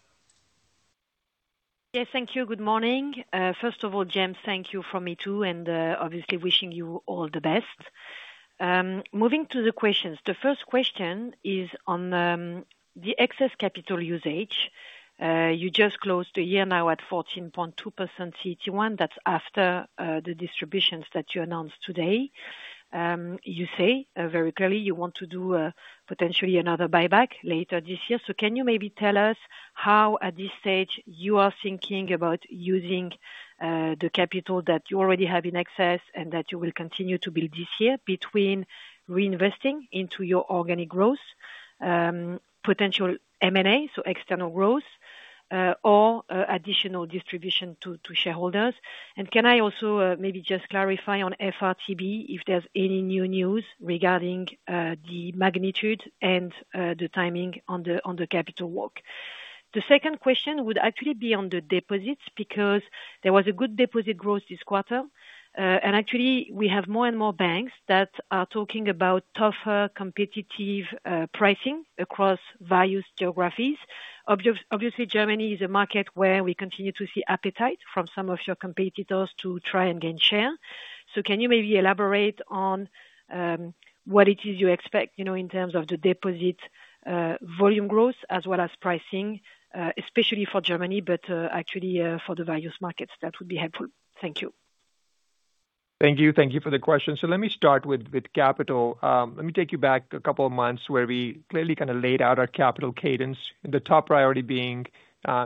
Yes, thank you. Good morning. First of all, James, thank you from me, too, and, obviously wishing you all the best. Moving to the questions, the first question is on, the excess capital usage. You just closed a year now at 14.2% CET1. That's after, the distributions that you announced today. You say, very clearly, you want to do, potentially another buyback later this year. So can you maybe tell us how, at this stage, you are thinking about using, the capital that you already have in excess and that you will continue to build this year between reinvesting into your organic growth, potential M&A, so external growth, or, additional distribution to, to shareholders? Can I also maybe just clarify on FRTB, if there's any new news regarding the magnitude and the timing on the capital work? The second question would actually be on the deposits, because there was a good deposit growth this quarter, and actually, we have more and more banks that are talking about tougher competitive pricing across various geographies. Obviously, Germany is a market where we continue to see appetite from some of your competitors to try and gain share. So can you maybe elaborate on what it is you expect, you know, in terms of the deposit volume growth as well as pricing, especially for Germany, but actually for the various markets? That would be helpful. Thank you. Thank you. Thank you for the question. So let me start with, with capital. Let me take you back a couple of months where we clearly kinda laid out our capital cadence, the top priority being,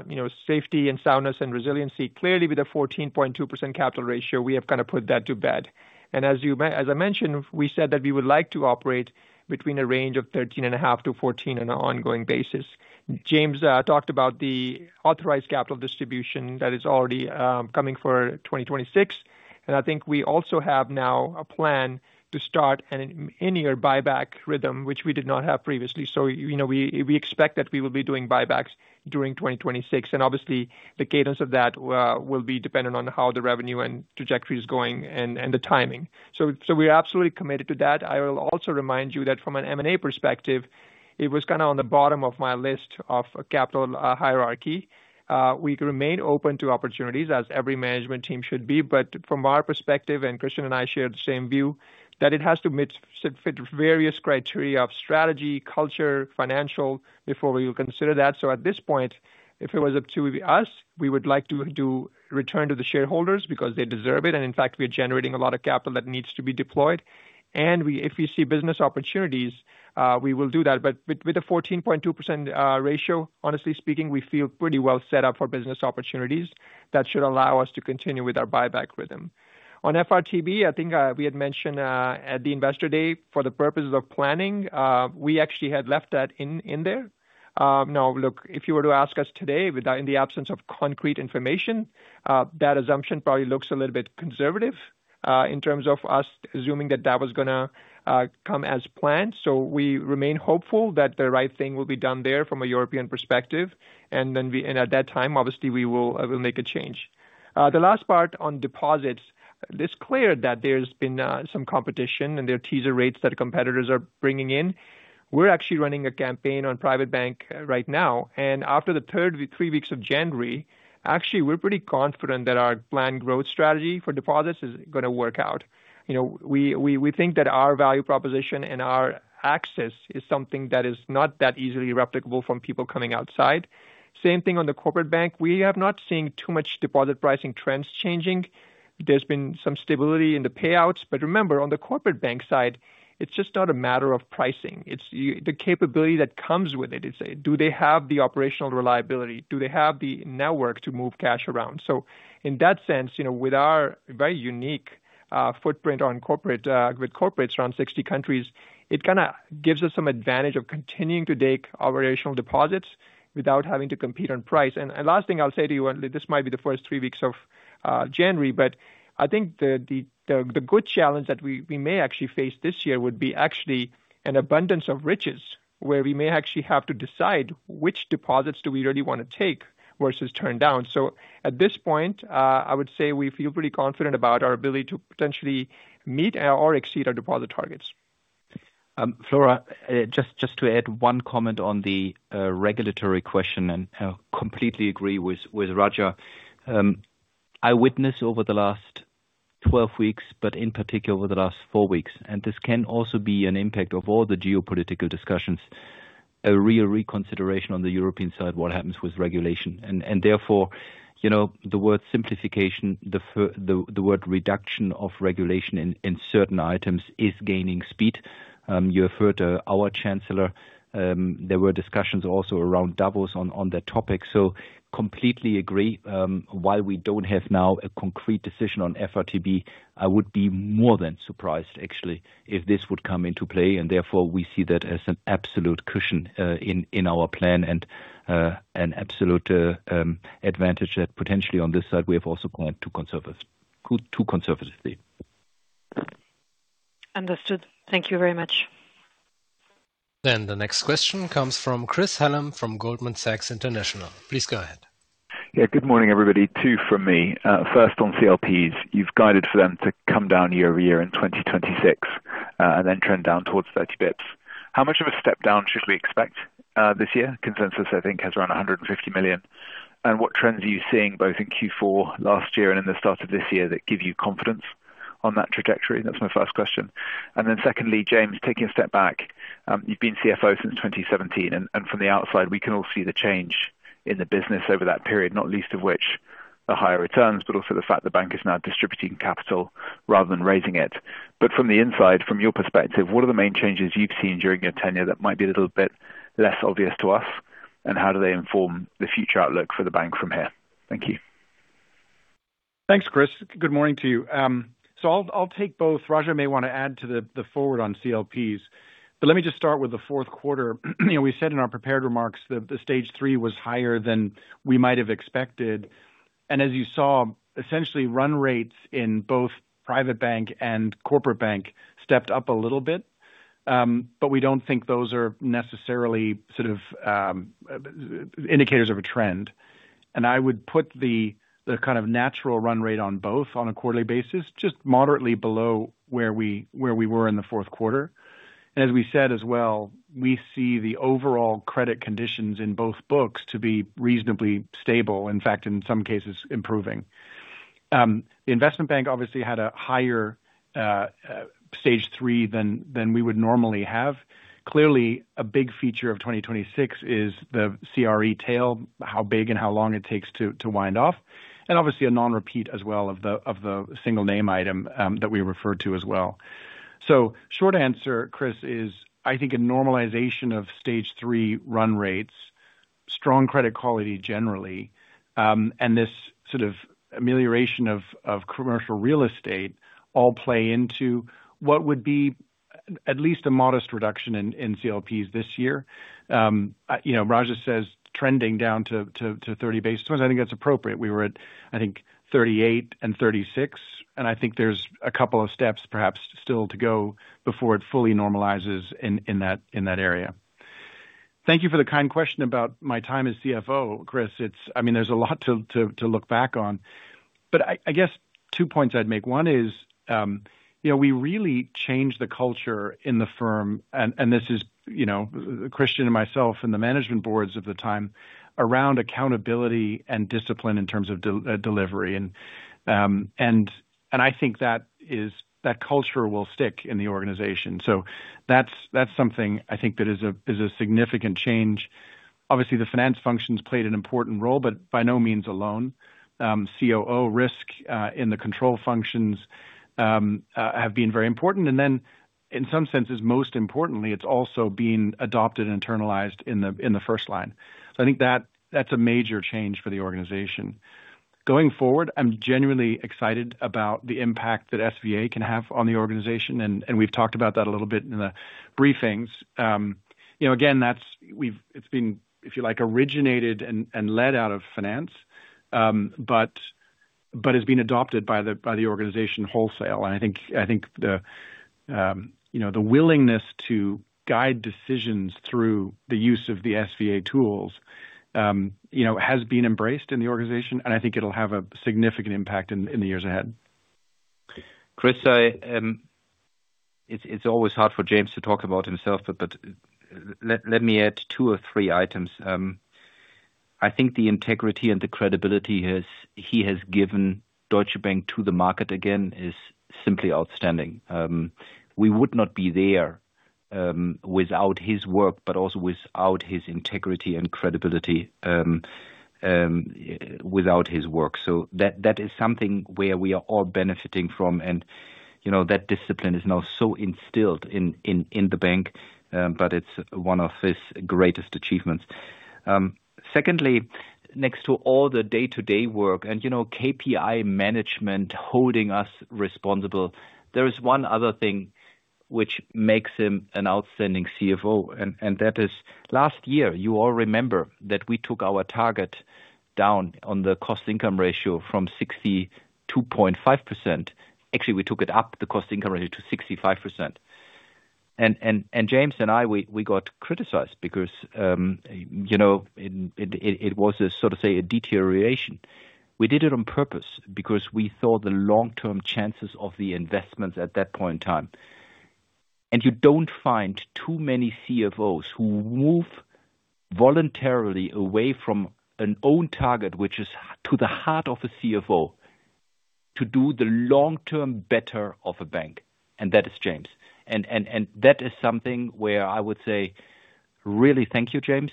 you know, safety and soundness and resiliency. Clearly, with a 14.2% capital ratio, we have kinda put that to bed. And as I mentioned, we said that we would like to operate between a range of 13.5%-14% on an ongoing basis. James talked about the authorized capital distribution that is already coming for 2026, and I think we also have now a plan to start an annual buyback rhythm, which we did not have previously. So you know, we expect that we will be doing buybacks during 2026, and obviously, the cadence of that will be dependent on how the revenue and trajectory is going and the timing. So we're absolutely committed to that. I will also remind you that from an M&A perspective, it was kinda on the bottom of my list of capital hierarchy. We remain open to opportunities as every management team should be, but from our perspective, and Christian and I share the same view, that it has to meet fit various criteria of strategy, culture, financial, before we will consider that. So at this point, if it was up to us, we would like to do return to the shareholders because they deserve it, and in fact, we are generating a lot of capital that needs to be deployed. And if we see business opportunities, we will do that. But with a 14.2% ratio, honestly speaking, we feel pretty well set up for business opportunities that should allow us to continue with our buyback rhythm. On FRTB, I think we had mentioned at the Investor Day for the purposes of planning, we actually had left that in there. Now, look, if you were to ask us today, with in the absence of concrete information, that assumption probably looks a little bit conservative in terms of us assuming that that was gonna come as planned. So we remain hopeful that the right thing will be done there from a European perspective, and then we and at that time, obviously, we will, we'll make a change. The last part on deposits, it's clear that there's been some competition and there are teaser rates that competitors are bringing in. We're actually running a campaign on Private Bank right now, and after three weeks of January, actually, we're pretty confident that our planned growth strategy for deposits is gonna work out. You know, we think that our value proposition and our access is something that is not that easily replicable from people coming outside. Same thing on the Corporate Bank. We have not seen too much deposit pricing trends changing. There's been some stability in the payouts, but remember, on the Corporate Bank side, it's just not a matter of pricing, it's the capability that comes with it. It's, do they have the operational reliability? Do they have the network to move cash around? So in that sense, you know, with our very unique footprint on corporate with corporates around 60 countries, it kinda gives us some advantage of continuing to take operational deposits without having to compete on price. And last thing I'll say to you, and this might be the first three weeks of January, but I think the good challenge that we may actually face this year would be actually an abundance of riches, where we may actually have to decide which deposits do we really wanna take versus turn down. So at this point, I would say we feel pretty confident about our ability to potentially meet or exceed our deposit targets. Flora, just to add one comment on the regulatory question, and I completely agree with Raja. I witnessed over the last 12 weeks, but in particular, over the last 4 weeks, and this can also be an impact of all the geopolitical discussions, a real reconsideration on the European side, what happens with regulation. Therefore, you know, the word simplification, the word reduction of regulation in certain items is gaining speed. You referred to our chancellor, there were discussions also around Davos on that topic, so completely agree. While we don't have now a concrete decision on FRTB, I would be more than surprised, actually, if this would come into play, and therefore we see that as an absolute cushion in our plan and an absolute advantage that potentially on this side, we have also planned too conservatively. Understood. Thank you very much. The next question comes from Chris Hallam from Goldman Sachs International. Please go ahead. Yeah. Good morning, everybody. Two from me. First on CLPs. You've guided for them to come down year-over-year in 2026, and then trend down towards 30 basis points. How much of a step down should we expect this year? Consensus, I think, has around 150 million. And what trends are you seeing both in Q4 last year and in the start of this year that give you confidence on that trajectory? That's my first question. And then secondly, James, taking a step back, you've been CFO since 2017, and, and from the outside, we can all see the change in the business over that period, not least of which, the higher returns, but also the fact the bank is now distributing capital rather than raising it. But from the inside, from your perspective, what are the main changes you've seen during your tenure that might be a little bit less obvious to us, and how do they inform the future outlook for the bank from here? Thank you. Thanks, Chris. Good morning to you. So I'll, I'll take both. Raja may wanna add to the, the forward on CLPs, but let me just start with the fourth quarter. You know, we said in our prepared remarks that the Stage 3 was higher than we might have expected, and as you saw, essentially run rates in both Private Bank and Corporate Bank stepped up a little bit. But we don't think those are necessarily sort of, indicators of a trend. And I would put the, the kind of natural run rate on both on a quarterly basis, just moderately below where we, where we were in the fourth quarter. As we said as well, we see the overall credit conditions in both books to be reasonably stable, in fact, in some cases improving. The Investment Bank obviously had a higher Stage 3 than we would normally have. Clearly, a big feature of 2026 is the CRE tail, how big and how long it takes to wind off, and obviously a non-repeat as well of the single name item that we referred to as well. So short answer, Chris, is I think a normalization of Stage 3 run rates, strong credit quality generally, and this sort of amelioration of commercial real estate all play into what would be at least a modest reduction in CLPs this year. You know, Raja says, trending down to 30 basis points. I think that's appropriate. We were at, I think, 38 and 36, and I think there's a couple of steps perhaps still to go before it fully normalizes in, in that, in that area. Thank you for the kind question about my time as CFO, Chris. It's... I mean, there's a lot to, to, to look back on, but I, I guess two points I'd make. One is, you know, we really changed the culture in the firm, and, and this is, you know, Christian and myself and the management boards of the time, around accountability and discipline in terms of delivery. And, and I think that is, that culture will stick in the organization. So that's, that's something I think that is a, is a significant change. Obviously, the finance functions played an important role, but by no means alone. COO risk in the control functions have been very important. And then, in some senses, most importantly, it's also being adopted and internalized in the first line. So I think that's a major change for the organization. Going forward, I'm genuinely excited about the impact that SVA can have on the organization, and we've talked about that a little bit in the briefings. You know, again, that's it's been, if you like, originated and led out of finance, but it's been adopted by the organization wholesale. And I think the willingness to guide decisions through the use of the SVA tools has been embraced in the organization, and I think it'll have a significant impact in the years ahead. Chris, it's always hard for James to talk about himself, but let me add two or three items. I think the integrity and the credibility he has given Deutsche Bank to the market again is simply outstanding. We would not be there without his work, but also without his integrity and credibility without his work. So that is something where we are all benefiting from and, you know, that discipline is now so instilled in the bank, but it's one of his greatest achievements. Secondly, next to all the day-to-day work and, you know, KPI management holding us responsible, there is one other thing which makes him an outstanding CFO, and, and that is last year you all remember that we took our target down on the cost-income ratio from 62.5%. Actually, we took it up, the cost-income ratio, to 65%. And, and, and James and I, we got criticized because, you know, it was a sort of, say, a deterioration. We did it on purpose because we thought the long-term chances of the investments at that point in time. And you don't find too many CFOs who move voluntarily away from an own target, which is to the heart of a CFO, to do the long-term better of a bank, and that is James. That is something where I would say, really, thank you, James.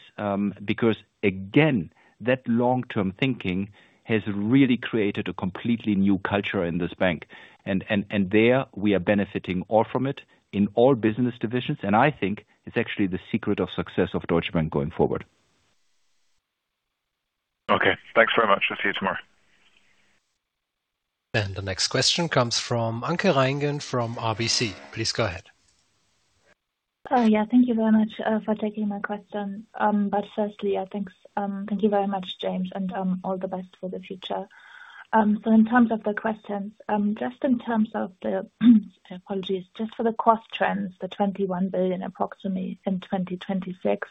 Because again, that long-term thinking has really created a completely new culture in this bank. We are all benefiting from it in all business divisions, and I think it's actually the secret of success of Deutsche Bank going forward. Okay, thanks very much. I'll see you tomorrow. The next question comes from Anke Reingen from RBC. Please go ahead. Yeah, thank you very much for taking my question. But firstly, I think, thank you very much, James, and all the best for the future. So in terms of the questions, just in terms of the, apologies, just for the cost trends, the 21 billion approximately in 2026,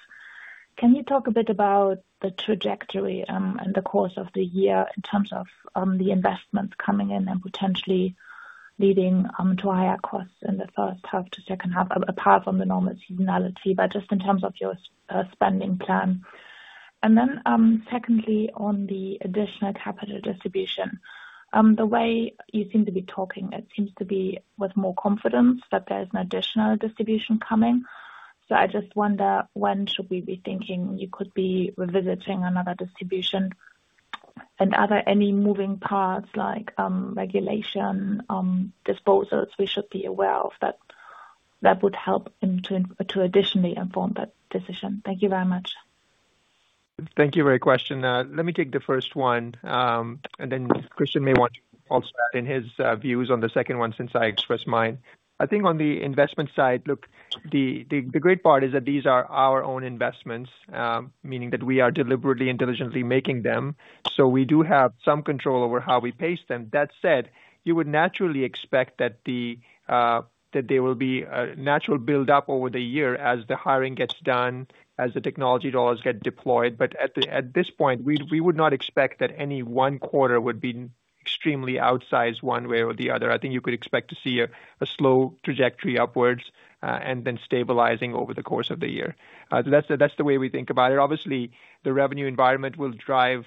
can you talk a bit about the trajectory, and the course of the year in terms of, the investments coming in and potentially leading, to higher costs in the first half to second half, apart from the normal seasonality, but just in terms of your spending plan? And then, secondly, on the additional capital distribution, the way you seem to be talking, it seems to be with more confidence that there is an additional distribution coming. So I just wonder, when should we be thinking you could be revisiting another distribution? And are there any moving parts like regulation, disposals we should be aware of that that would help him to additionally inform that decision? Thank you very much. Thank you for your question. Let me take the first one, and then Christian may want to also add in his views on the second one since I expressed mine. I think on the investment side, look, the great part is that these are our own investments, meaning that we are deliberately and diligently making them, so we do have some control over how we pace them. That said, you would naturally expect that there will be a natural buildup over the year as the hiring gets done, as the technology dollars get deployed. But at this point, we would not expect that any one quarter would be extremely outsized one way or the other. I think you could expect to see a slow trajectory upwards, and then stabilizing over the course of the year. That's the, that's the way we think about it. Obviously, the revenue environment will drive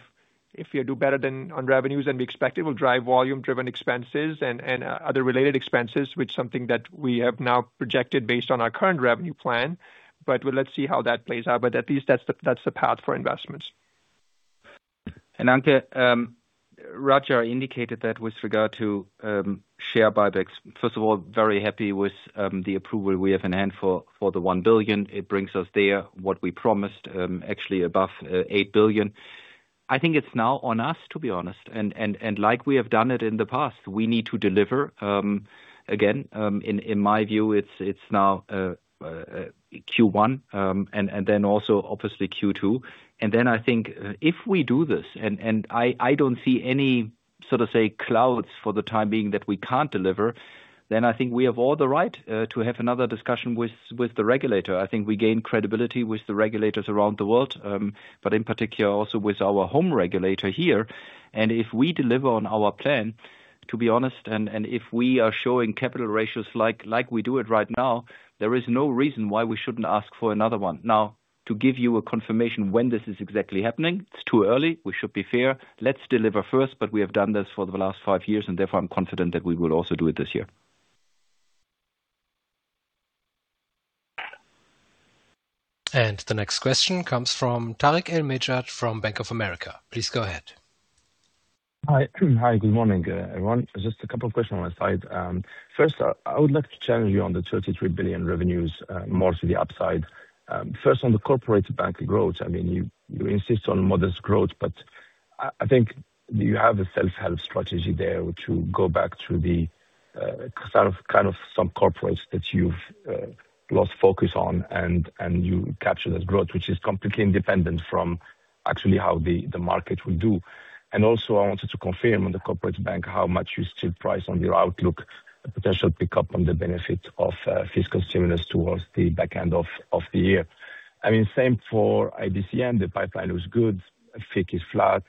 if you do better than on revenues than we expected, will drive volume-driven expenses and, and other related expenses, which is something that we have now projected based on our current revenue plan. But we'll let's see how that plays out, but at least that's the, that's the path for investments. And Anke, Roger indicated that with regard to share buybacks, first of all, very happy with the approval we have in hand for the 1 billion. It brings us there, what we promised, actually above 8 billion. I think it's now on us, to be honest, and like we have done it in the past, we need to deliver again, in my view, it's now Q1, and then also obviously Q2. And then I think if we do this, and I don't see any, sort of say, clouds for the time being that we can't deliver, then I think we have all the right to have another discussion with the regulator. I think we gain credibility with the regulators around the world, but in particular also with our home regulator here. And if we deliver on our plan, to be honest, and if we are showing capital ratios like we do it right now, there is no reason why we shouldn't ask for another one. Now, to give you a confirmation when this is exactly happening, it's too early. We should be fair. Let's deliver first, but we have done this for the last five years, and therefore, I'm confident that we will also do it this year. The next question comes from Tarik El Mejjad from Bank of America. Please go ahead. Hi, hi, good morning, everyone. Just a couple of questions on my side. First, I would like to challenge you on the 33 billion revenues, more to the upside. First, on the Corporate Bank growth, I mean, you insist on modest growth, but I think you have a self-help strategy there, which you go back to the kind of some corporates that you've lost focus on, and you capture that growth, which is completely independent from actually how the market will do. Also, I wanted to confirm on the Corporate Bank how much you still price on your outlook, a potential pickup on the benefit of fiscal stimulus towards the back end of the year. I mean, same for IBCM, the pipeline looks good, FIC is flat.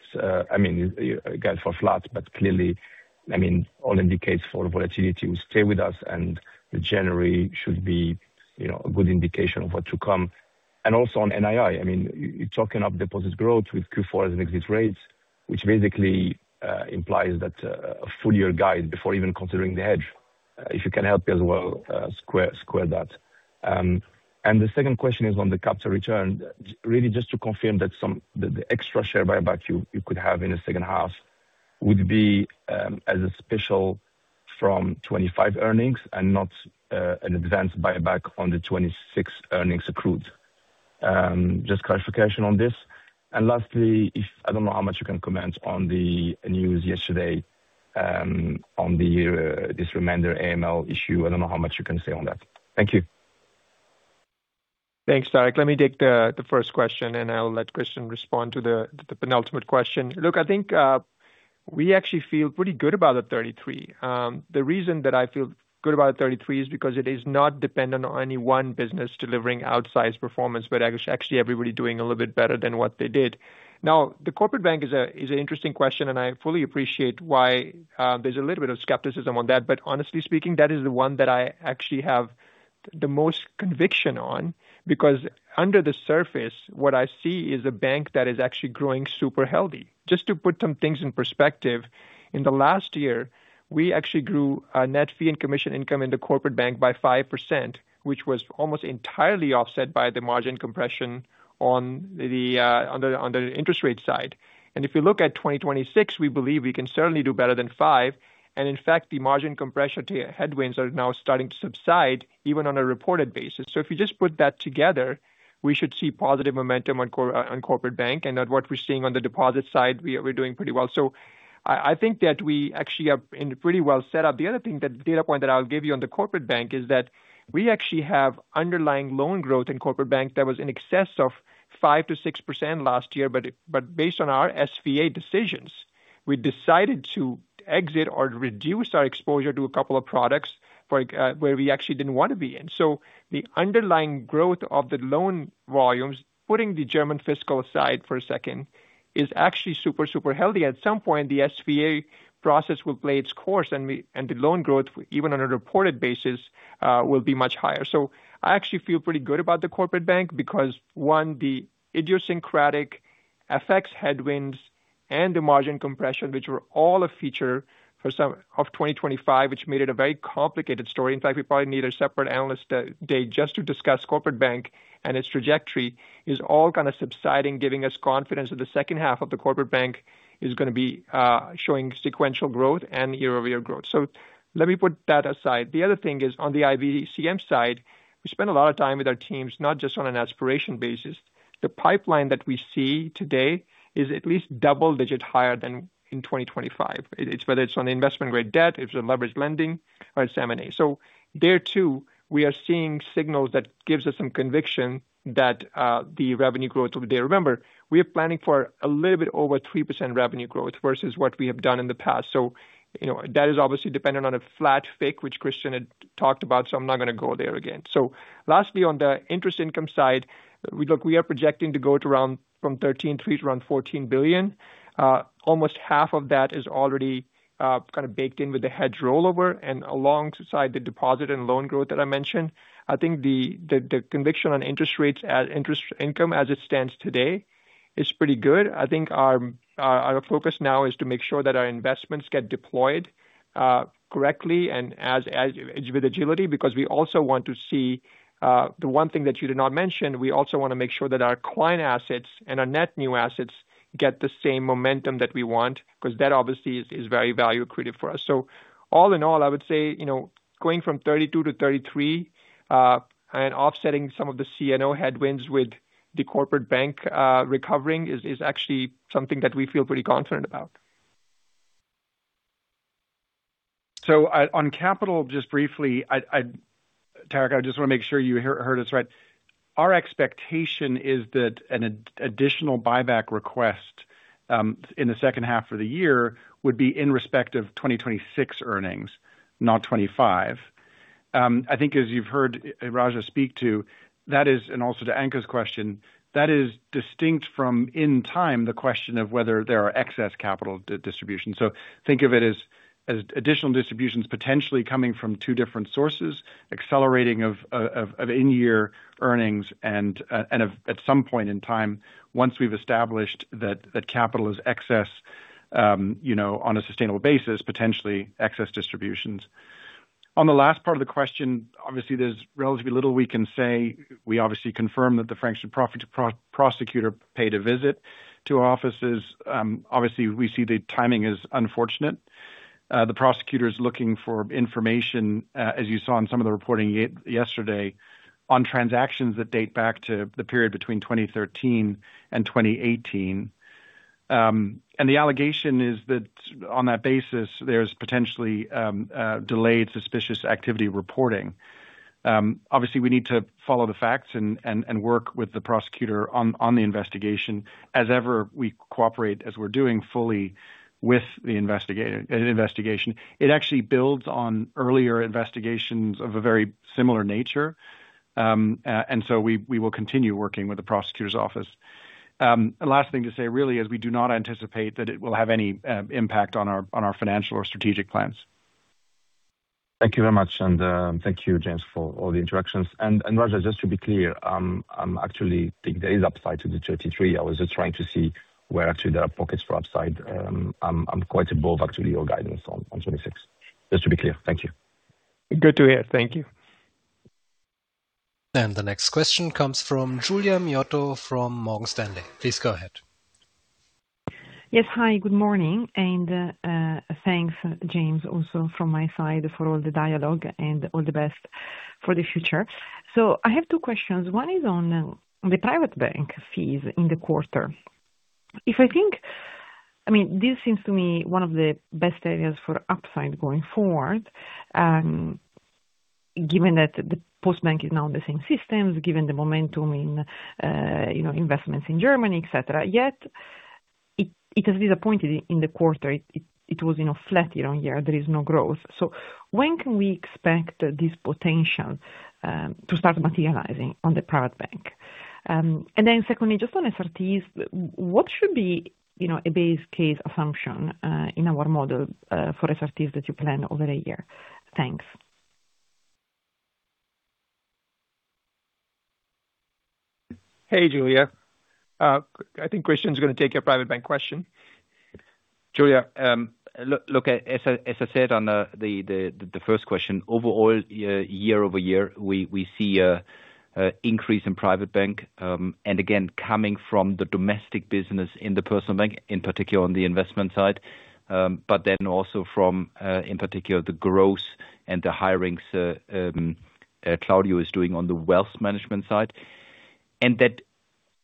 I mean, again, for flat, but clearly, I mean, all indicates for volatility will stay with us, and January should be, you know, a good indication of what to come. And also on NII, I mean, you're talking up deposit growth with Q4 as an exit rates.which basically implies that a full-year guide before even considering the hedge. If you can help me as well square that. And the second question is on the capital return. Really just to confirm that the extra share buyback you could have in the second half would be as a special from 25 earnings and not an advanced buyback on the 26 earnings accrued. Just clarification on this. And lastly, if I don't know how much you can comment on the news yesterday on this remainder AML issue. I don't know how much you can say on that. Thank you. Thanks, Tarik. Let me take the first question, and I'll let Christian respond to the penultimate question. Look, I think we actually feel pretty good about the 33. The reason that I feel good about the 33 is because it is not dependent on any one business delivering outsized performance, but actually everybody doing a little bit better than what they did. Now, the Corporate Bank is an interesting question, and I fully appreciate why there's a little bit of skepticism on that. But honestly speaking, that is the one that I actually have the most conviction on. Because under the surface, what I see is a bank that is actually growing super healthy. Just to put some things in perspective, in the last year, we actually grew our net fee and commission income in the Corporate Bank by 5%, which was almost entirely offset by the margin compression on the, on the interest rate side. If you look at 2026, we believe we can certainly do better than 5, and in fact, the margin compression to headwinds are now starting to subside, even on a reported basis. If you just put that together, we should see positive momentum on Corporate Bank, and at what we're seeing on the deposit side, we're doing pretty well. I think that we actually are in pretty well set up. The other thing that data point that I'll give you on the Corporate Bank is that we actually have underlying loan growth in Corporate Bank that was in excess of 5%-6% last year. But, but based on our SVA decisions, we decided to exit or reduce our exposure to a couple of products where, where we actually didn't want to be in. So the underlying growth of the loan volumes, putting the German fiscal aside for a second, is actually super, super healthy. At some point, the SVA process will play its course, and we and the loan growth, even on a reported basis, will be much higher. So I actually feel pretty good about the Corporate Bank because, one, the idiosyncratic effects, headwinds and the margin compression, which were all a feature for some of 2025, which made it a very complicated story. In fact, we probably need a separate analyst day just to discuss Corporate Bank and its trajectory, is all kind of subsiding, giving us confidence that the second half of the Corporate Bank is gonna be showing sequential growth and year-over-year growth. So let me put that aside. The other thing is, on the IBCM side, we spend a lot of time with our teams, not just on an aspiration basis. The pipeline that we see today is at least double-digit higher than in 2025. It's whether it's on investment grade debt, it's on leverage lending or it's M&A. So there, too, we are seeing signals that gives us some conviction that the revenue growth will be there. Remember, we are planning for a little bit over 3% revenue growth versus what we have done in the past. So, you know, that is obviously dependent on a flat FIC, which Christian had talked about, so I'm not gonna go there again. So lastly, on the interest income side, look, we are projecting to go to around from 13.3 billion to around 14 billion. Almost half of that is already kind of baked in with the hedge rollover and alongside the deposit and loan growth that I mentioned. I think the conviction on interest rates as interest income as it stands today is pretty good. I think our, our focus now is to make sure that our investments get deployed, correctly and as, as with agility, because we also want to see, the one thing that you did not mention, we also wanna make sure that our client assets and our net new assets get the same momentum that we want, because that obviously is, very value accretive for us. So all in all, I would say, you know, going from 32 to 33, and offsetting some of the C&O headwinds with the Corporate Bank, recovering is, actually something that we feel pretty confident about. On capital, just briefly, Tarik, I just wanna make sure you heard us right. Our expectation is that an additional buyback request in the second half of the year would be in respect of 2026 earnings, not 2025. I think as you've heard Raja speak to, that is and also to Anke's question, that is distinct from in time, the question of whether there are excess capital distribution. So think of it as, as additional distributions potentially coming from two different sources, accelerating of in-year earnings and of at some point in time, once we've established that capital is excess, you know, on a sustainable basis, potentially excess distributions. On the last part of the question, obviously there's relatively little we can say. We obviously confirm that the Frankfurt prosecutor paid a visit to our offices. Obviously, we see the timing is unfortunate. The prosecutor is looking for information, as you saw in some of the reporting yesterday, on transactions that date back to the period between 2013 and 2018. And the allegation is that on that basis there's potentially delayed suspicious activity reporting. Obviously, we need to follow the facts and work with the prosecutor on the investigation. As ever, we cooperate, as we're doing fully with the investigation. It actually builds on earlier investigations of a very similar nature. And so we will continue working with the prosecutor's office. The last thing to say really is we do not anticipate that it will have any impact on our financial or strategic plans.... Thank you very much, and thank you, James, for all the interactions. And, and Raja, just to be clear, I'm actually think there is upside to the 33. I was just trying to see where actually there are pockets for upside. I'm, I'm quite above actually your guidance on, on 26. Just to be clear. Thank you. Good to hear. Thank you. The next question comes from Giulia Miotto from Morgan Stanley. Please go ahead. Yes. Hi, good morning, and thanks, James, also from my side for all the dialogue and all the best for the future. So I have two questions. One is on the Private Bank fees in the quarter. If I think, I mean, this seems to me one of the best areas for upside going forward, given that the Postbank is now in the same systems, given the momentum in, you know, investments in Germany, et cetera. Yet, it was, you know, flat year-over-year. There is no growth. So when can we expect this potential to start materializing on the Private Bank? And then secondly, just on SRTs, what should be, you know, a base case assumption in our model for SRTs that you plan over the year? Thanks. Hey, Julia. I think Christian's gonna take your Private Bank question. Julia, look, as I said on the first question, overall, year-over-year, we see an increase in Private Bank, and again, coming from the domestic business in Personal Bank, in particular on the investment side, but then also from, in particular, the growth and the hirings Claudio is doing on the Wealth Management side. And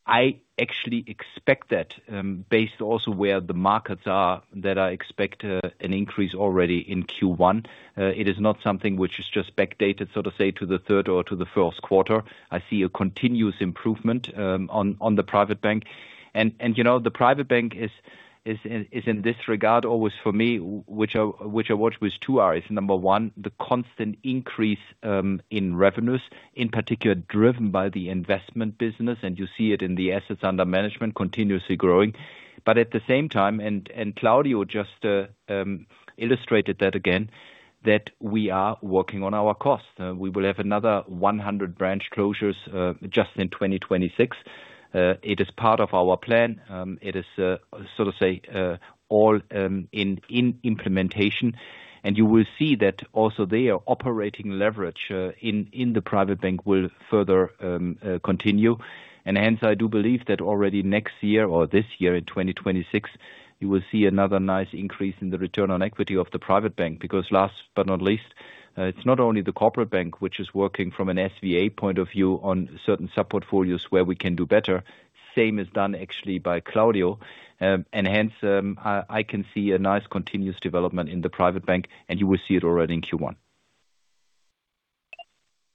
that I actually expect that, based also where the markets are, that I expect an increase already in Q1. It is not something which is just backdated, so to say, to the third or to the first quarter. I see a continuous improvement on the Private Bank. And, you know, the Private Bank is in this regard always for me, which I watch with two eyes. Number one, the constant increase in revenues, in particular, driven by the investment business, and you see it in the assets under management, continuously growing. But at the same time, and Claudio just illustrated that again, that we are working on our costs. We will have another 100 branch closures, just in 2026. It is part of our plan. It is, so to say, all in implementation. And you will see that also their operating leverage in the Private Bank will further continue. And hence, I do believe that already next year or this year, in 2026, you will see another nice increase in the return on equity of the Private Bank, because last but not least, it's not only the Corporate Bank which is working from an SVA point of view on certain sub-portfolios where we can do better, same is done actually by Claudio. And hence, I can see a nice continuous development in the Private Bank, and you will see it already in Q1.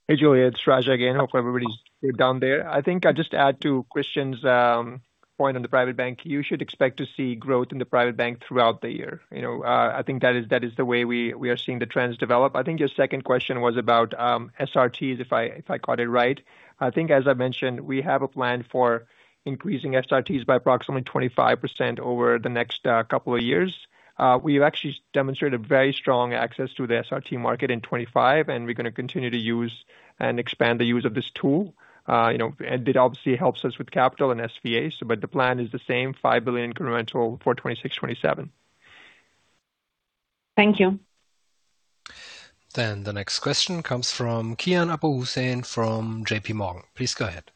Hey, Julia, it's Raja again. Hope everybody's down there. I think I'll just add to Christian's point on the Private Bank. You should expect to see growth in the Private Bank throughout the year. You know, I think that is, that is the way we, we are seeing the trends develop. I think your second question was about SRTs, if I, if I caught it right. I think, as I mentioned, we have a plan for increasing SRTs by approximately 25% over the next couple of years. We've actually demonstrated a very strong access to the SRT market in 2025, and we're gonna continue to use and expand the use of this tool. You know, and it obviously helps us with capital and SVAs, but the plan is the same, 5 billion incremental for 2026, 2027. Thank you. The next question comes from Kian Abouhossein from JP Morgan. Please go ahead.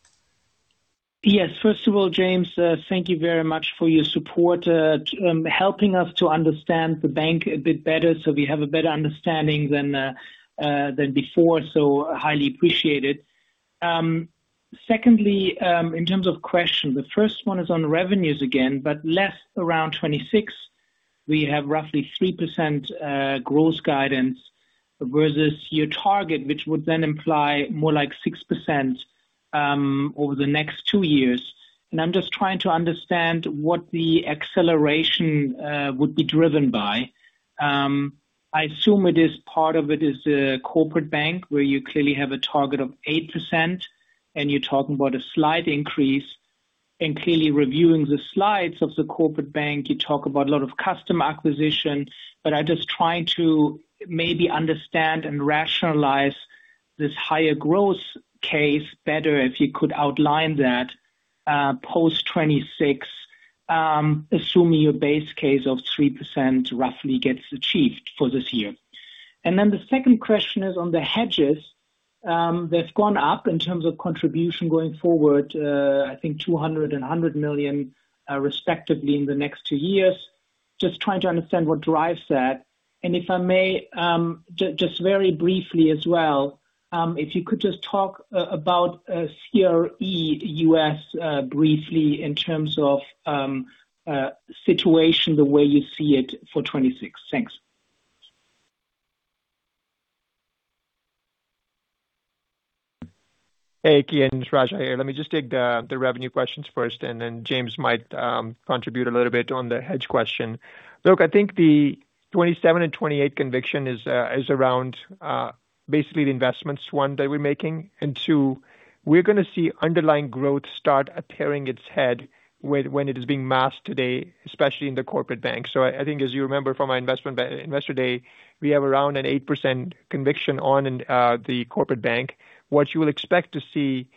Yes. First of all, James, thank you very much for your support, helping us to understand the bank a bit better so we have a better understanding than than before, so highly appreciated. Secondly, in terms of questions, the first one is on revenues again, but less around 2026. We have roughly 3% growth guidance versus your target, which would then imply more like 6% over the next two years. And I'm just trying to understand what the acceleration would be driven by. I assume it is, part of it is the Corporate Bank, where you clearly have a target of 8%, and you're talking about a slight increase. Clearly reviewing the slides of the Corporate Bank, you talk about a lot of customer acquisition, but I'm just trying to maybe understand and rationalize this higher growth case better, if you could outline that, post 2026, assuming your base case of 3% roughly gets achieved for this year. And then the second question is on the hedges, that's gone up in terms of contribution going forward, I think 200 million and 100 million, respectively in the next two years. Just trying to understand what drives that. And if I may, just very briefly as well, if you could just talk about CRE US, briefly in terms of situation, the way you see it for 2026. Thanks. ... Hey, Kian, it's Raja here. Let me just take the revenue questions first, and then James might contribute a little bit on the hedge question. Look, I think the 27 and 28 conviction is around basically the investments, one, that we're making, and two, we're gonna see underlying growth start appearing its head when it is being masked today, especially in the Corporate Bank. So I think as you remember from our investor day, we have around an 8% conviction on the Corporate Bank. What you will expect to see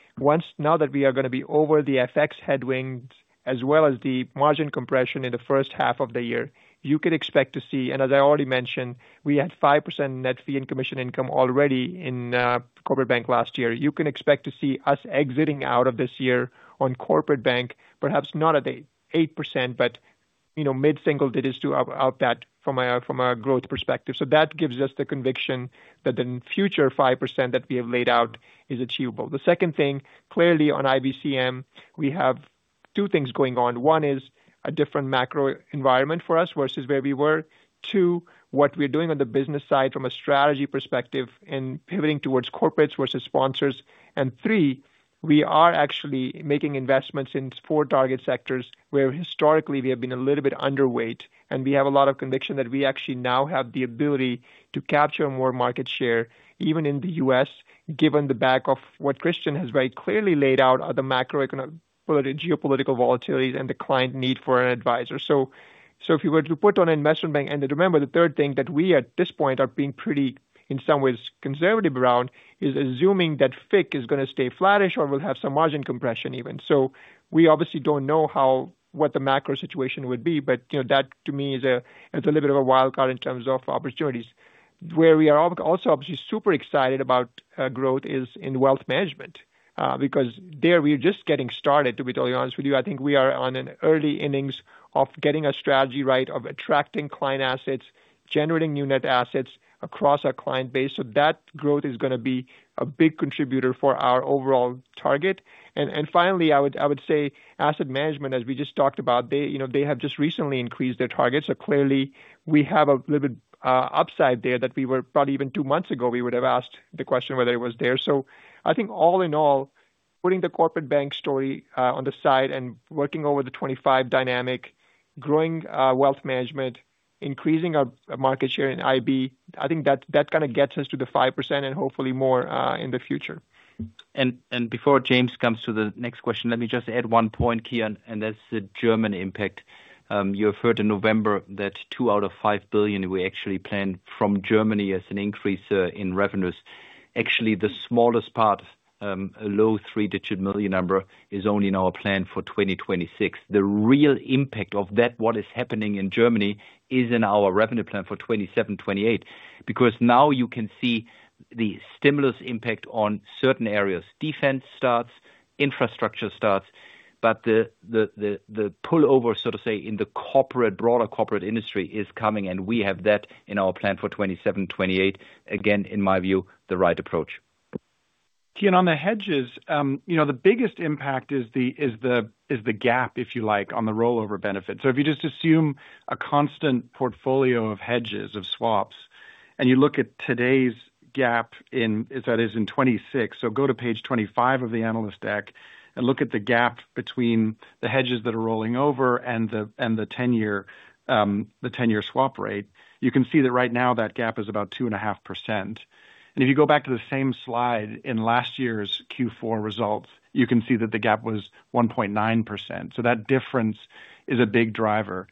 now that we are gonna be over the FX headwind, as well as the margin compression in the first half of the year, you can expect to see, and as I already mentioned, we had 5% net fee and commission income already in Corporate Bank last year. You can expect to see us exiting out of this year on Corporate Bank, perhaps not at the 8%, but, you know, mid-single digits to out that from a growth perspective. So that gives us the conviction that the future 5% that we have laid out is achievable. The second thing, clearly on IBCM, we have two things going on. One is a different macro environment for us versus where we were. 2, what we're doing on the business side from a strategy perspective and pivoting towards corporates versus sponsors. And 3, we are actually making investments in 4 target sectors, where historically we have been a little bit underweight, and we have a lot of conviction that we actually now have the ability to capture more market share, even in the U.S., given the backdrop of what Christian has very clearly laid out are the macroeconomic geopolitical volatilities and the client need for an advisor. So, so if you were to put on an Investment Bank, and remember, the third thing that we at this point are being pretty, in some ways, conservative around, is assuming that FIC is gonna stay flattish or will have some margin compression even. So we obviously don't know what the macro situation would be, but, you know, that to me is a, it's a little bit of a wild card in terms of opportunities. Where we are also obviously super excited about growth is in Wealth Management, because there we are just getting started, to be totally honest with you. I think we are on an early innings of getting a strategy right, of attracting client assets, generating new net assets across our client base. So that growth is gonna be a big contributor for our overall target. And, and finally, I would, I would say Asset Management, as we just talked about, they, you know, they have just recently increased their targets. So clearly, we have a little bit of upside there that we were probably even two months ago, we would have asked the question whether it was there. So I think all in all, putting the Corporate Bank story on the side and working over the 25 dynamic, growing Wealth Management, increasing our market share in IB, I think that, that kind of gets us to the 5% and hopefully more in the future. And before James comes to the next question, let me just add one point, Kian, and that's the German impact. You have heard in November that 2 billion out of 5 billion we actually planned from Germany as an increase in revenues. Actually, the smallest part, a low three-digit million EUR number, is only in our plan for 2026. The real impact of that, what is happening in Germany, is in our revenue plan for 2027, 2028. Because now you can see the stimulus impact on certain areas. Defense starts, infrastructure starts, but the pull over, so to say, in the corporate, broader corporate industry is coming, and we have that in our plan for 2027, 2028. Again, in my view, the right approach. Kian, on the hedges, you know, the biggest impact is the gap, if you like, on the rollover benefit. So if you just assume a constant portfolio of hedges, of swaps, and you look at today's gap in 2026. So go to page 25 of the analyst deck and look at the gap between the hedges that are rolling over and the ten-year swap rate. You can see that right now that gap is about 2.5%. And if you go back to the same slide in last year's Q4 results, you can see that the gap was 1.9%. So that difference is a big driver.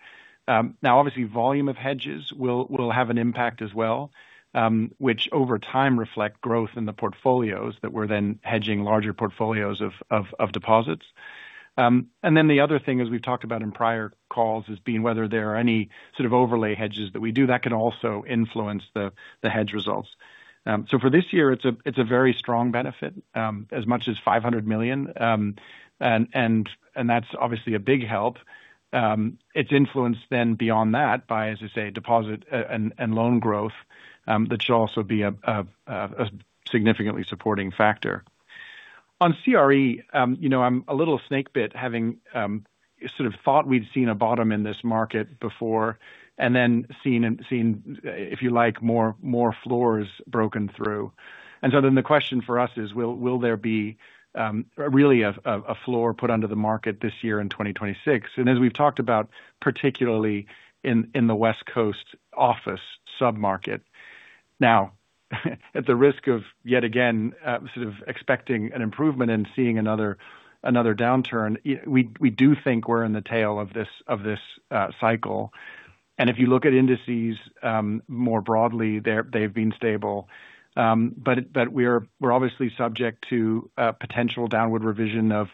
Now, obviously, volume of hedges will have an impact as well, which over time reflect growth in the portfolios that we're then hedging larger portfolios of deposits. And then the other thing, as we've talked about in prior calls, is being whether there are any sort of overlay hedges that we do that can also influence the hedge results. So for this year, it's a very strong benefit, as much as 500 million. And that's obviously a big help. It's influenced then beyond that by, as I say, deposit and loan growth, that should also be a significantly supporting factor. On CRE, you know, I'm a little snakebit, having sort of thought we'd seen a bottom in this market before, and then seen, if you like, more floors broken through. And so then the question for us is: Will there be really a floor put under the market this year in 2026? And as we've talked about, particularly in the West Coast office sub-market. Now, at the risk of yet again sort of expecting an improvement and seeing another downturn, we do think we're in the tail of this cycle. And if you look at indices more broadly, they've been stable. But we're obviously subject to potential downward revision of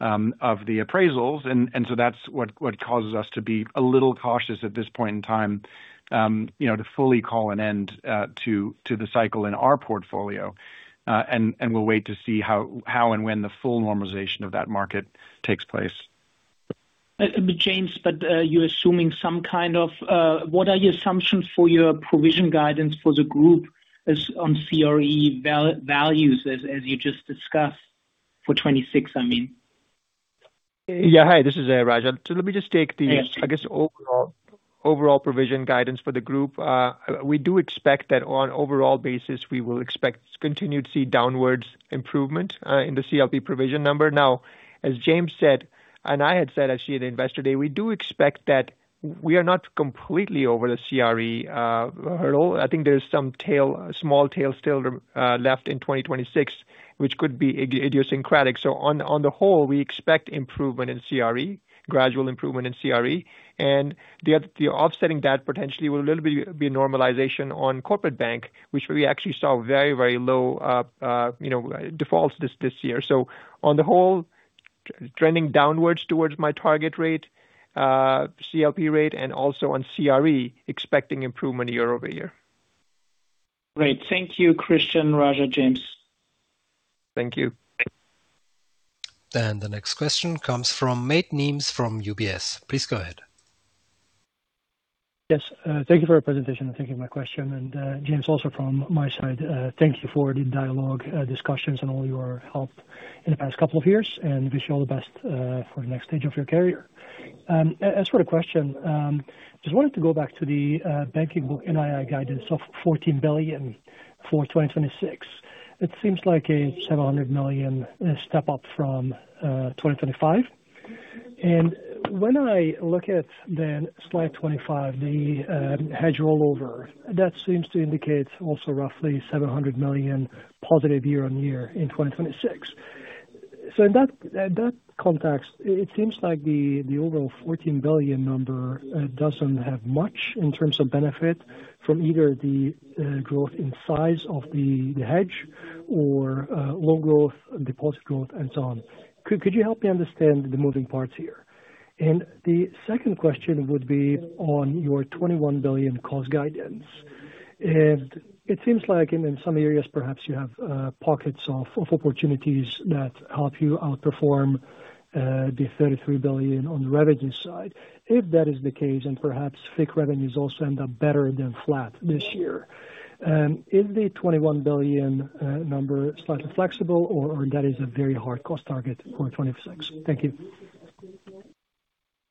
the appraisals, and so that's what causes us to be a little cautious at this point in time, you know, to fully call an end to the cycle in our portfolio. And we'll wait to see how and when the full normalization of that market takes place. But James, you're assuming some kind of... What are your assumptions for your provision guidance for the group as on CRE values, as you just discussed, for 2026, I mean? Yeah, hi, this is Raja. So let me just take the, I guess, overall provision guidance for the group. We do expect that on overall basis, we will expect to continue to see downward improvement in the CLP provision number. Now, as James said, and I had said, actually, at Investor Day, we do expect that we are not completely over the CRE hurdle. I think there's some small tail still left in 2026, which could be idiosyncratic. So on the whole, we expect improvement in CRE, gradual improvement in CRE, and the offsetting that potentially will a little bit be a normalization on Corporate Bank, which we actually saw very, very low, you know, defaults this year. So on the whole, trending downwards towards my target rate, CLP rate, and also on CRE, expecting improvement year-over-year. Great. Thank you, Christian, Raja, James. Thank you. The next question comes from Mate Nemes from UBS. Please go ahead. Yes, thank you for your presentation, and thank you for my question. James, also from my side, thank you for the dialogue, discussions, and all your help in the past couple of years, and wish you all the best, for the next stage of your career. As for the question, just wanted to go back to the banking book NII guidance of 14 billion for 2026. It seems like a 700 million step up from 2025. And when I look at the slide 25, the hedge rollover, that seems to indicate also roughly 700 million positive year-on-year in 2026. So in that, in that context, it seems like the, the overall 14 billion number doesn't have much in terms of benefit from either the, growth in size of the, the hedge or, loan growth, deposit growth, and so on. Could you help me understand the moving parts here? And the second question would be on your 21 billion cost guidance. And it seems like in, in some areas, perhaps you have, pockets of, of opportunities that help you outperform, the 33 billion on the revenues side. If that is the case, and perhaps FIC revenues also end up better than flat this year, is the 21 billion, number slightly flexible, or that is a very hard cost target for 2026? Thank you.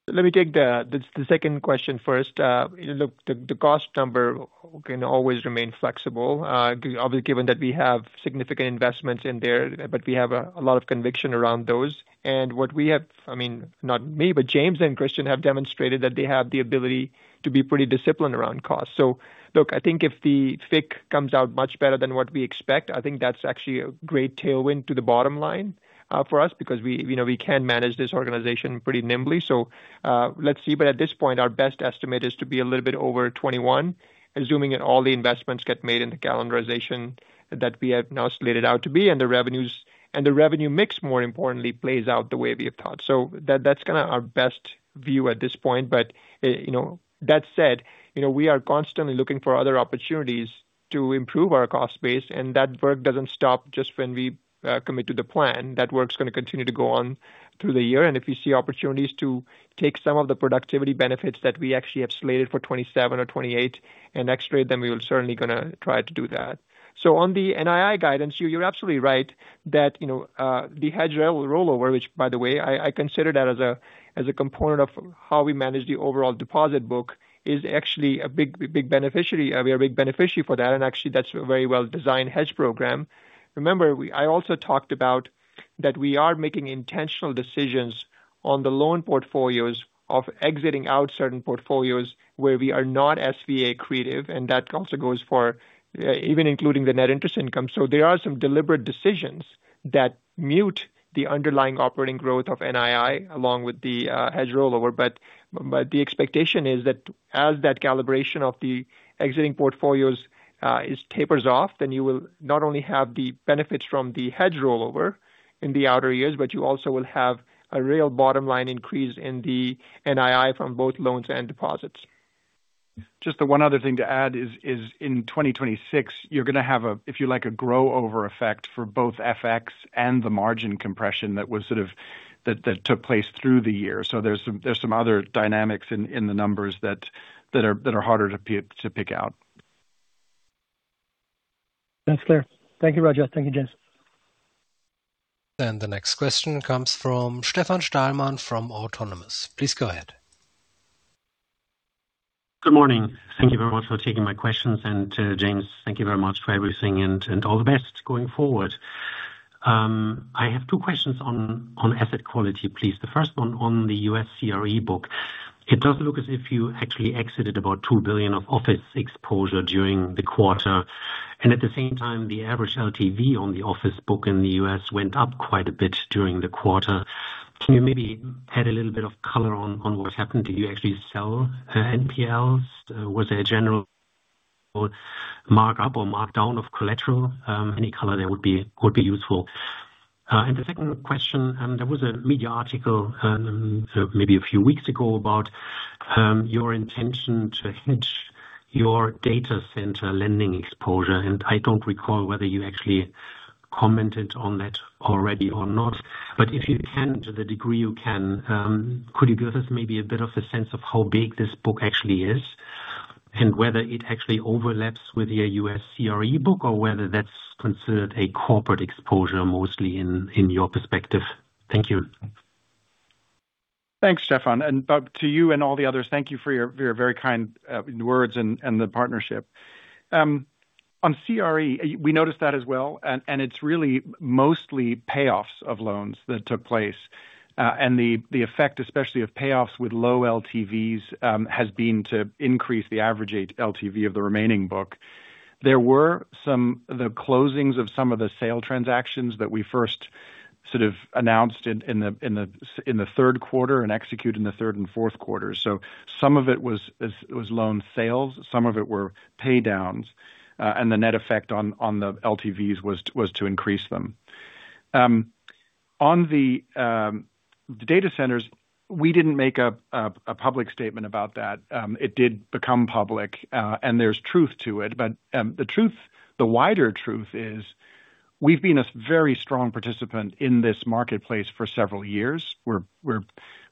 Let me take the second question first. Look, the cost number can always remain flexible, obviously, given that we have significant investments in there, but we have a lot of conviction around those. And what we have—I mean, not me, but James and Christian have demonstrated that they have the ability to be pretty disciplined around cost. So look, I think if the FIC comes out much better than what we expect, I think that's actually a great tailwind to the bottom line, for us, because we, you know, we can manage this organization pretty nimbly. So, let's see. But at this point, our best estimate is to be a little bit over 21, assuming that all the investments get made in the calendarization that we have now slated out to be, and the revenues, and the revenue mix, more importantly, plays out the way we have thought. So that, that's kind of our best view at this point, but, you know, that said, you know, we are constantly looking for other opportunities to improve our cost base, and that work doesn't stop just when we, commit to the plan. That work's gonna continue to go on through the year, and if we see opportunities to take some of the productivity benefits that we actually have slated for 27 or 28 and next rate, then we are certainly gonna try to do that. So on the NII guidance, you, you're absolutely right that, you know, the hedge rollover, which, by the way, I, I consider that as a, as a component of how we manage the overall deposit book, is actually a big, big beneficiary. We are a big beneficiary for that, and actually, that's a very well-designed hedge program. Remember, we, I also talked about that we are making intentional decisions on the loan portfolios of exiting out certain portfolios where we are not SVA accretive, and that also goes for even including the net interest income. So there are some deliberate decisions that mute the underlying operating growth of NII, along with the hedge rollover. But the expectation is that as that calibration of the exiting portfolios tapers off, then you will not only have the benefits from the hedge rollover in the outer years, but you also will have a real bottom line increase in the NII from both loans and deposits. Just the one other thing to add is in 2026, you're gonna have a, if you like, a grow over effect for both FX and the margin compression that was sort of-- that took place through the year. So there's some other dynamics in the numbers that are harder to pick out. That's clear. Thank you, Raja. Thank you, James. The next question comes from Stefan Stalmann from Autonomous. Please go ahead. Good morning. Thank you very much for taking my questions. To James, thank you very much for everything and all the best going forward. I have two questions on asset quality, please. The first one on the US CRE book. It does look as if you actually exited about $2 billion of office exposure during the quarter, and at the same time, the average LTV on the office book in the US went up quite a bit during the quarter. Can you maybe add a little bit of color on what happened? Did you actually sell NPLs? Was there a general mark-up or mark-down of collateral? Any color there would be useful. And the second question, there was a media article, maybe a few weeks ago, about your intention to hedge your data center lending exposure, and I don't recall whether you actually commented on that already or not. But if you can, to the degree you can, could you give us maybe a bit of a sense of how big this book actually is? ... and whether it actually overlaps with your US CRE book, or whether that's considered a corporate exposure mostly in your perspective? Thank you. Thanks, Stefan, and to you and all the others, thank you for your very kind words and the partnership. On CRE, we noticed that as well, and it's really mostly payoffs of loans that took place. And the effect, especially of payoffs with low LTVs, has been to increase the average LTV of the remaining book. There were some closings of some of the sale transactions that we first sort of announced in the third quarter and executed in the third and fourth quarter. So some of it was loan sales, some of it were pay downs, and the net effect on the LTVs was to increase them. On the data centers, we didn't make a public statement about that. It did become public, and there's truth to it. But the truth, the wider truth is we've been a very strong participant in this marketplace for several years. We're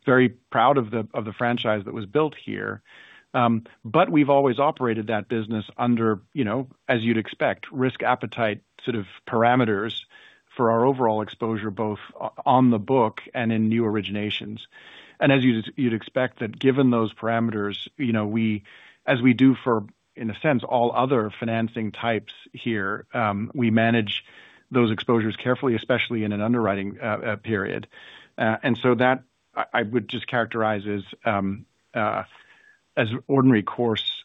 very proud of the franchise that was built here. But we've always operated that business under, you know, as you'd expect, risk appetite, sort of parameters for our overall exposure, both on the book and in new originations. And as you'd expect that given those parameters, you know, we, as we do for, in a sense, all other financing types here, we manage those exposures carefully, especially in an underwriting period. And so that I would just characterize as ordinary course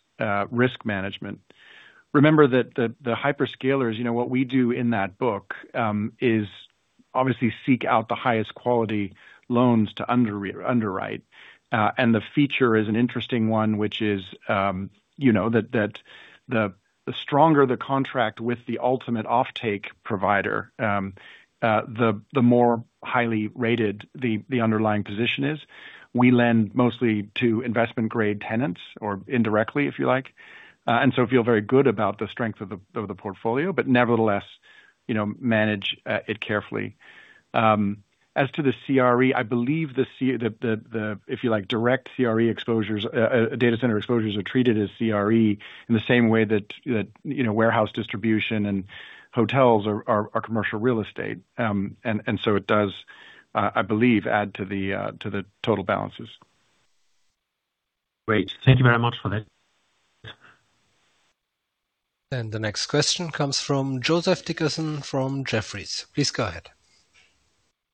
risk management. Remember that the hyperscalers, you know, what we do in that book is obviously seek out the highest quality loans to underwrite. And the feature is an interesting one, which is, you know, that the stronger the contract with the ultimate offtake provider, the more highly rated the underlying position is. We lend mostly to investment grade tenants or indirectly, if you like. And so feel very good about the strength of the portfolio, but nevertheless, you know, manage it carefully. As to the CRE, I believe the direct CRE exposures, if you like, data center exposures are treated as CRE in the same way that, you know, warehouse distribution and hotels are commercial real estate. And so it does, I believe, add to the total balances. Great. Thank you very much for that. The next question comes from Joseph Dickerson from Jefferies. Please go ahead.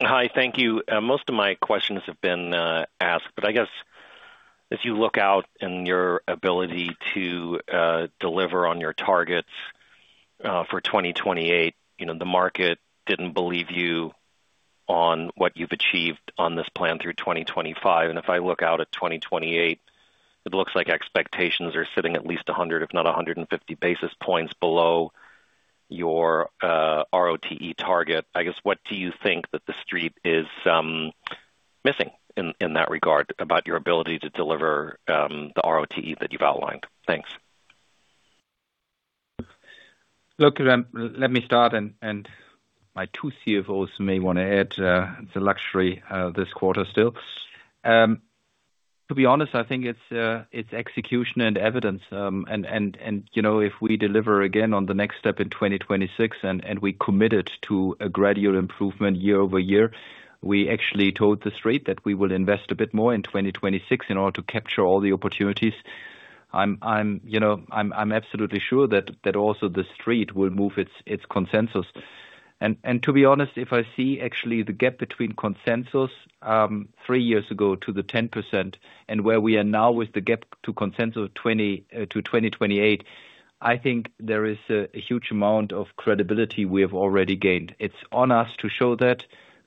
Hi, thank you. Most of my questions have been asked, but I guess if you look out in your ability to deliver on your targets for 2028, you know, the market didn't believe you on what you've achieved on this plan through 2025. If I look out at 2028, it looks like expectations are sitting at least 100, if not 150 basis points below your RoTE target. I guess, what do you think that the Street is missing in that regard about your ability to deliver the RoTE that you've outlined? Thanks. Look, let me start, and my two CFOs may wanna add the luxury this quarter still. To be honest, I think it's execution and evidence. And, you know, if we deliver again on the next step in 2026, and we committed to a gradual improvement year-over-year, we actually told the Street that we will invest a bit more in 2026 in order to capture all the opportunities. I'm, you know, I'm absolutely sure that also the Street will move its consensus. And to be honest, if I see actually the gap between consensus three years ago to the 10% and where we are now with the gap to consensus 20 to 2028, I think there is a huge amount of credibility we have already gained. It's on us to show that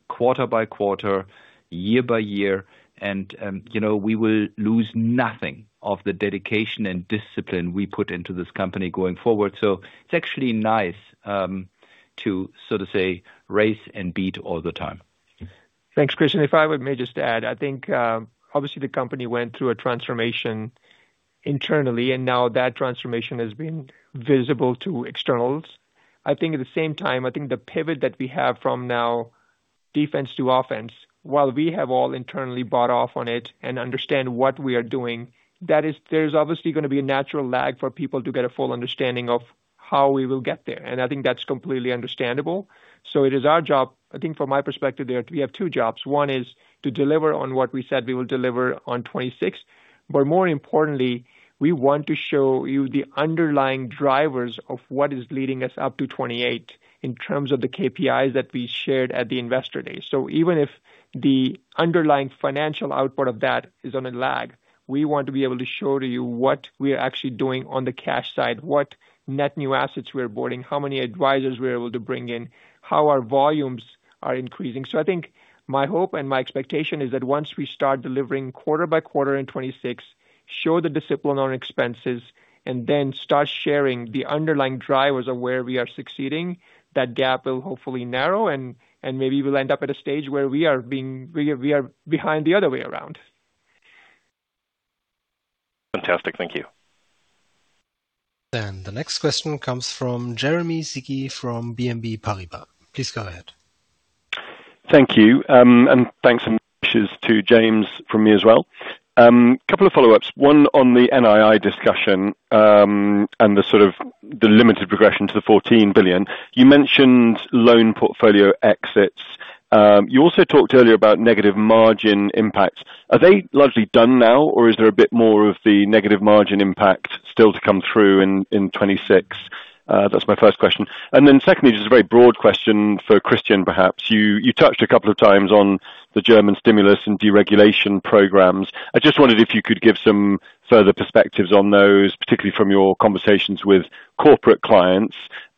quarter by quarter, year by year, and, you know, we will lose nothing of the dedication and discipline we put into this company going forward. So it's actually nice, to sort of say, race and beat all the time. Thanks, Christian. If I may just add, I think obviously the company went through a transformation internally, and now that transformation has been visible to externals. I think at the same time, I think the pivot that we have from now, defense to offense, while we have all internally bought off on it and understand what we are doing, that is, there's obviously gonna be a natural lag for people to get a full understanding of how we will get there, and I think that's completely understandable. So it is our job... I think from my perspective there, we have two jobs. One is to deliver on what we said we will deliver on 2026, but more importantly, we want to show you the underlying drivers of what is leading us up to 2028 in terms of the KPIs that we shared at the Investor Day. So even if the underlying financial output of that is on a lag, we want to be able to show to you what we are actually doing on the cash side, what net new assets we're boarding, how many advisors we're able to bring in, how our volumes are increasing. So I think my hope and my expectation is that once we start delivering quarter by quarter in 2026, show the discipline on expenses, and then start sharing the underlying drivers of where we are succeeding, that gap will hopefully narrow, and, and maybe we'll end up at a stage where we are being, we are, we are behind the other way around. Fantastic. Thank you. Then the next question comes from Jeremy Sigee from BNP Paribas. Please go ahead.... Thank you. And thanks and wishes to James from me as well. Couple of follow-ups. One, on the NII discussion, and the sort of the limited progression to the 14 billion. You mentioned loan portfolio exits. You also talked earlier about negative margin impacts. Are they largely done now, or is there a bit more of the negative margin impact still to come through in, in 2026? That's my first question. And then secondly, just a very broad question for Christian, perhaps. You, you touched a couple of times on the German stimulus and deregulation programs. I just wondered if you could give some further perspectives on those, particularly from your conversations with corporate clients,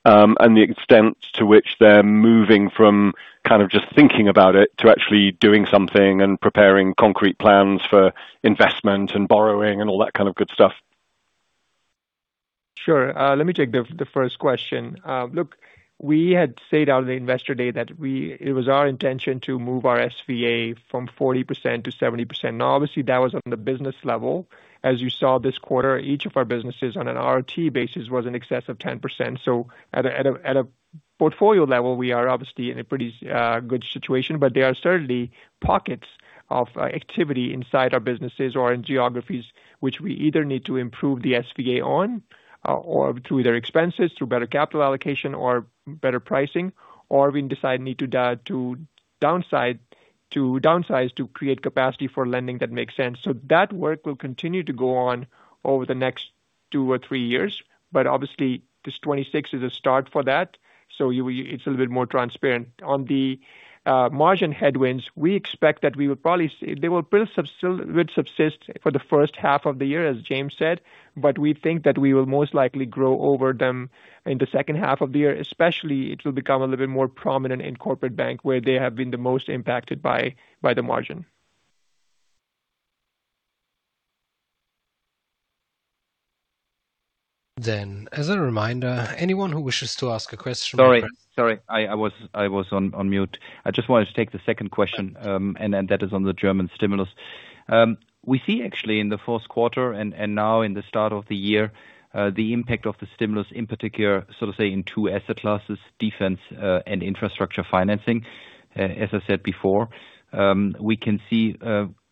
and the extent to which they're moving from kind of just thinking about it, to actually doing something and preparing concrete plans for investment and borrowing, and all that kind of good stuff. Sure. Let me take the first question. Look, we had said on the Investor Day that we—it was our intention to move our SVA from 40% to 70%. Now, obviously, that was on the business level. As you saw this quarter, each of our businesses on an RoTE basis was in excess of 10%. So at a portfolio level, we are obviously in a pretty good situation, but there are certainly pockets of activity inside our businesses or in geographies, which we either need to improve the SVA on, or through their expenses, through better capital allocation or better pricing, or we decide need to do—to downside, to downsize, to create capacity for lending that makes sense. So that work will continue to go on over the next two or three years. But obviously this 2026 is a start for that, so you, it's a little bit more transparent. On the margin headwinds, we expect that we will probably see... They will still would subsist for the first half of the year, as James said, but we think that we will most likely grow over them in the second half of the year. Especially, it will become a little bit more prominent in Corporate Bank, where they have been the most impacted by the margin. As a reminder, anyone who wishes to ask a question- Sorry, sorry. I was on mute. I just wanted to take the second question, and then, that is on the German stimulus. We see actually in the fourth quarter and now in the start of the year, the impact of the stimulus in particular, so say in two asset classes: defense and infrastructure financing. As I said before, we can see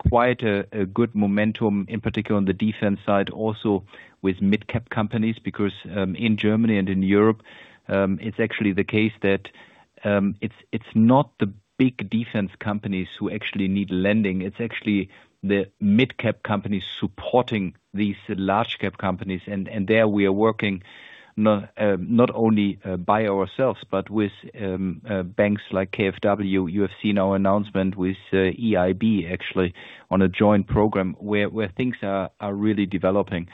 quite a good momentum, in particular on the defense side, also with mid-cap companies. Because in Germany and in Europe, it's actually the case that it's not the big defense companies who actually need lending, it's actually the mid-cap companies supporting these large cap companies. And there we are working not only by ourselves, but with banks like KfW. You have seen our announcement with EIB, actually, on a joint program where things are really developing.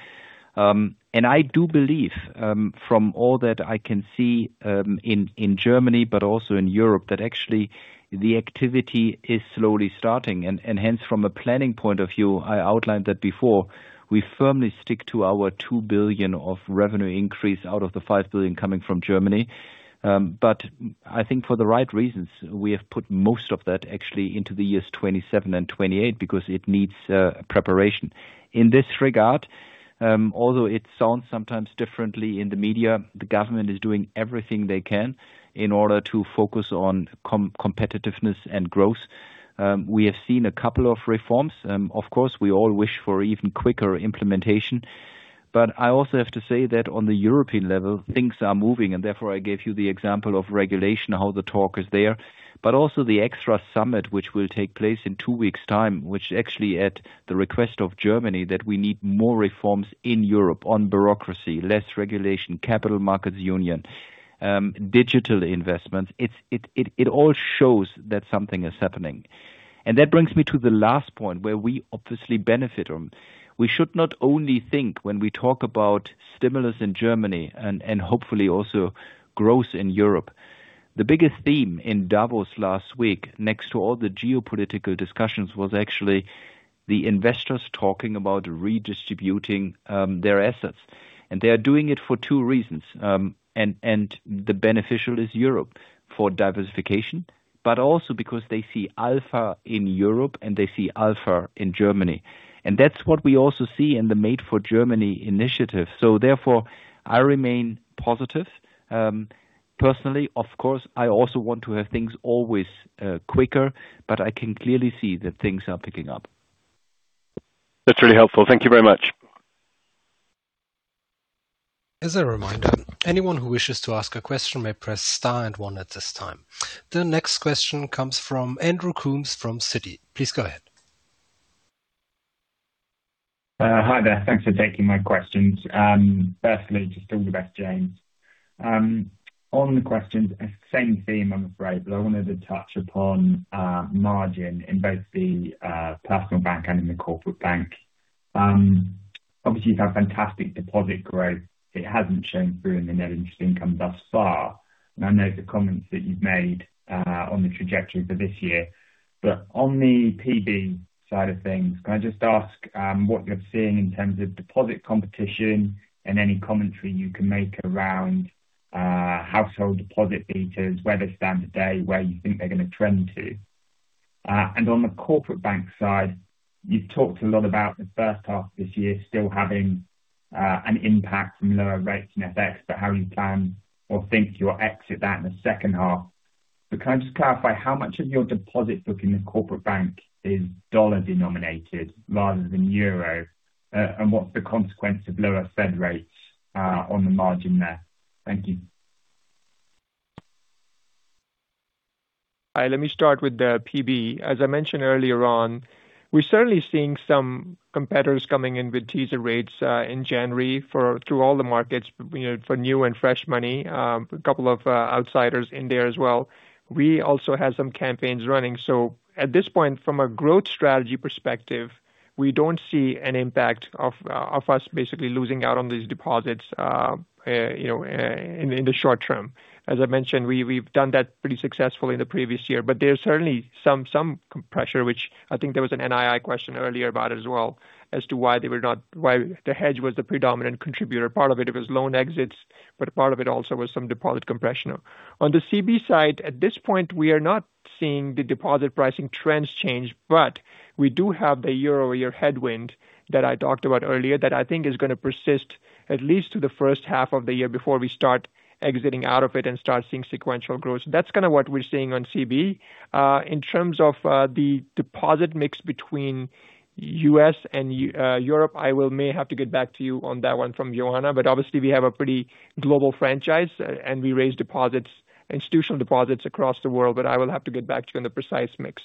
I do believe, from all that I can see, in Germany, but also in Europe, that actually the activity is slowly starting. Hence, from a planning point of view, I outlined that before, we firmly stick to our 2 billion revenue increase out of the 5 billion coming from Germany. But I think for the right reasons, we have put most of that actually into the years 2027 and 2028, because it needs preparation. In this regard, although it sounds sometimes differently in the media, the government is doing everything they can in order to focus on competitiveness and growth. We have seen a couple of reforms. Of course, we all wish for even quicker implementation, but I also have to say that on the European level, things are moving, and therefore I gave you the example of regulation, how the talk is there. But also the extra summit, which will take place in two weeks time, which actually at the request of Germany, that we need more reforms in Europe on bureaucracy, less regulation, Capital Markets Union, digital investments. It all shows that something is happening. And that brings me to the last point, where we obviously benefit them. We should not only think when we talk about stimulus in Germany and hopefully also growth in Europe. The biggest theme in Davos last week, next to all the geopolitical discussions, was actually the investors talking about redistributing their assets. And they are doing it for two reasons. The benefit is Europe, for diversification, but also because they see alpha in Europe, and they see alpha in Germany. And that's what we also see in the Made for Germany initiative. So therefore, I remain positive. Personally, of course, I also want to have things always quicker, but I can clearly see that things are picking up. That's really helpful. Thank you very much. As a reminder, anyone who wishes to ask a question may press star and one at this time. The next question comes from Andrew Coombs, from Citi. Please go ahead. Hi there. Thanks for taking my questions. Firstly, just all the best, James. On the questions, same theme, I'm afraid, but I wanted to touch upon margin in both Personal Bank and in the Corporate Bank. Obviously, you've had fantastic deposit growth. It hasn't shown through in the net interest income thus far, and I know the comments that you've made on the trajectory for this year. But on the PB side of things, can I just ask what you're seeing in terms of deposit competition and any commentary you can make around household deposit features, where they stand today, where you think they're gonna trend to?... and on the Corporate Bank side, you've talked a lot about the first half of this year still having an impact from lower rates in FX, but how you plan or think you'll exit that in the second half. But can I just clarify, how much of your deposit book in the Corporate Bank is dollar-denominated rather than euro? And what's the consequence of lower Fed rates on the margin there? Thank you. Let me start with the PB. As I mentioned earlier on, we're certainly seeing some competitors coming in with teaser rates in January through all the markets, you know, for new and fresh money. A couple of outsiders in there as well. We also have some campaigns running, so at this point, from a growth strategy perspective, we don't see an impact of us basically losing out on these deposits, you know, in the short term. As I mentioned, we've done that pretty successfully in the previous year. But there's certainly some compression, which I think there was an NII question earlier about it as well, as to why the hedge was the predominant contributor. Part of it was loan exits, but part of it also was some deposit compression. On the CB side, at this point, we are not seeing the deposit pricing trends change, but we do have the year-over-year headwind that I talked about earlier, that I think is gonna persist at least through the first half of the year before we start exiting out of it and start seeing sequential growth. That's kind of what we're seeing on CB. In terms of, the deposit mix between US and Europe, I will may have to get back to you on that one from loana, but obviously we have a pretty global franchise, and we raise deposits, institutional deposits across the world, but I will have to get back to you on the precise mix.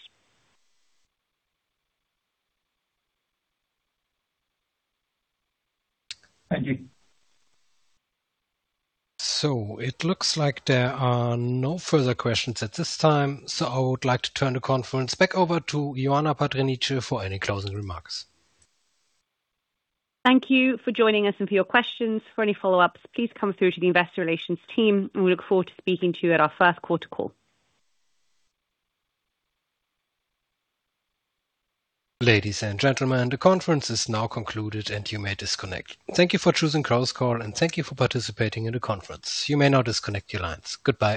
Thank you. So it looks like there are no further questions at this time, so I would like to turn the conference back over to Ioana Patriniche for any closing remarks. Thank you for joining us and for your questions. For any follow-ups, please come through to the investor relations team, and we look forward to speaking to you at our first quarter call. Ladies and gentlemen, the conference is now concluded, and you may disconnect. Thank you for choosing Chorus Call, and thank you for participating in the conference. You may now disconnect your lines. Goodbye.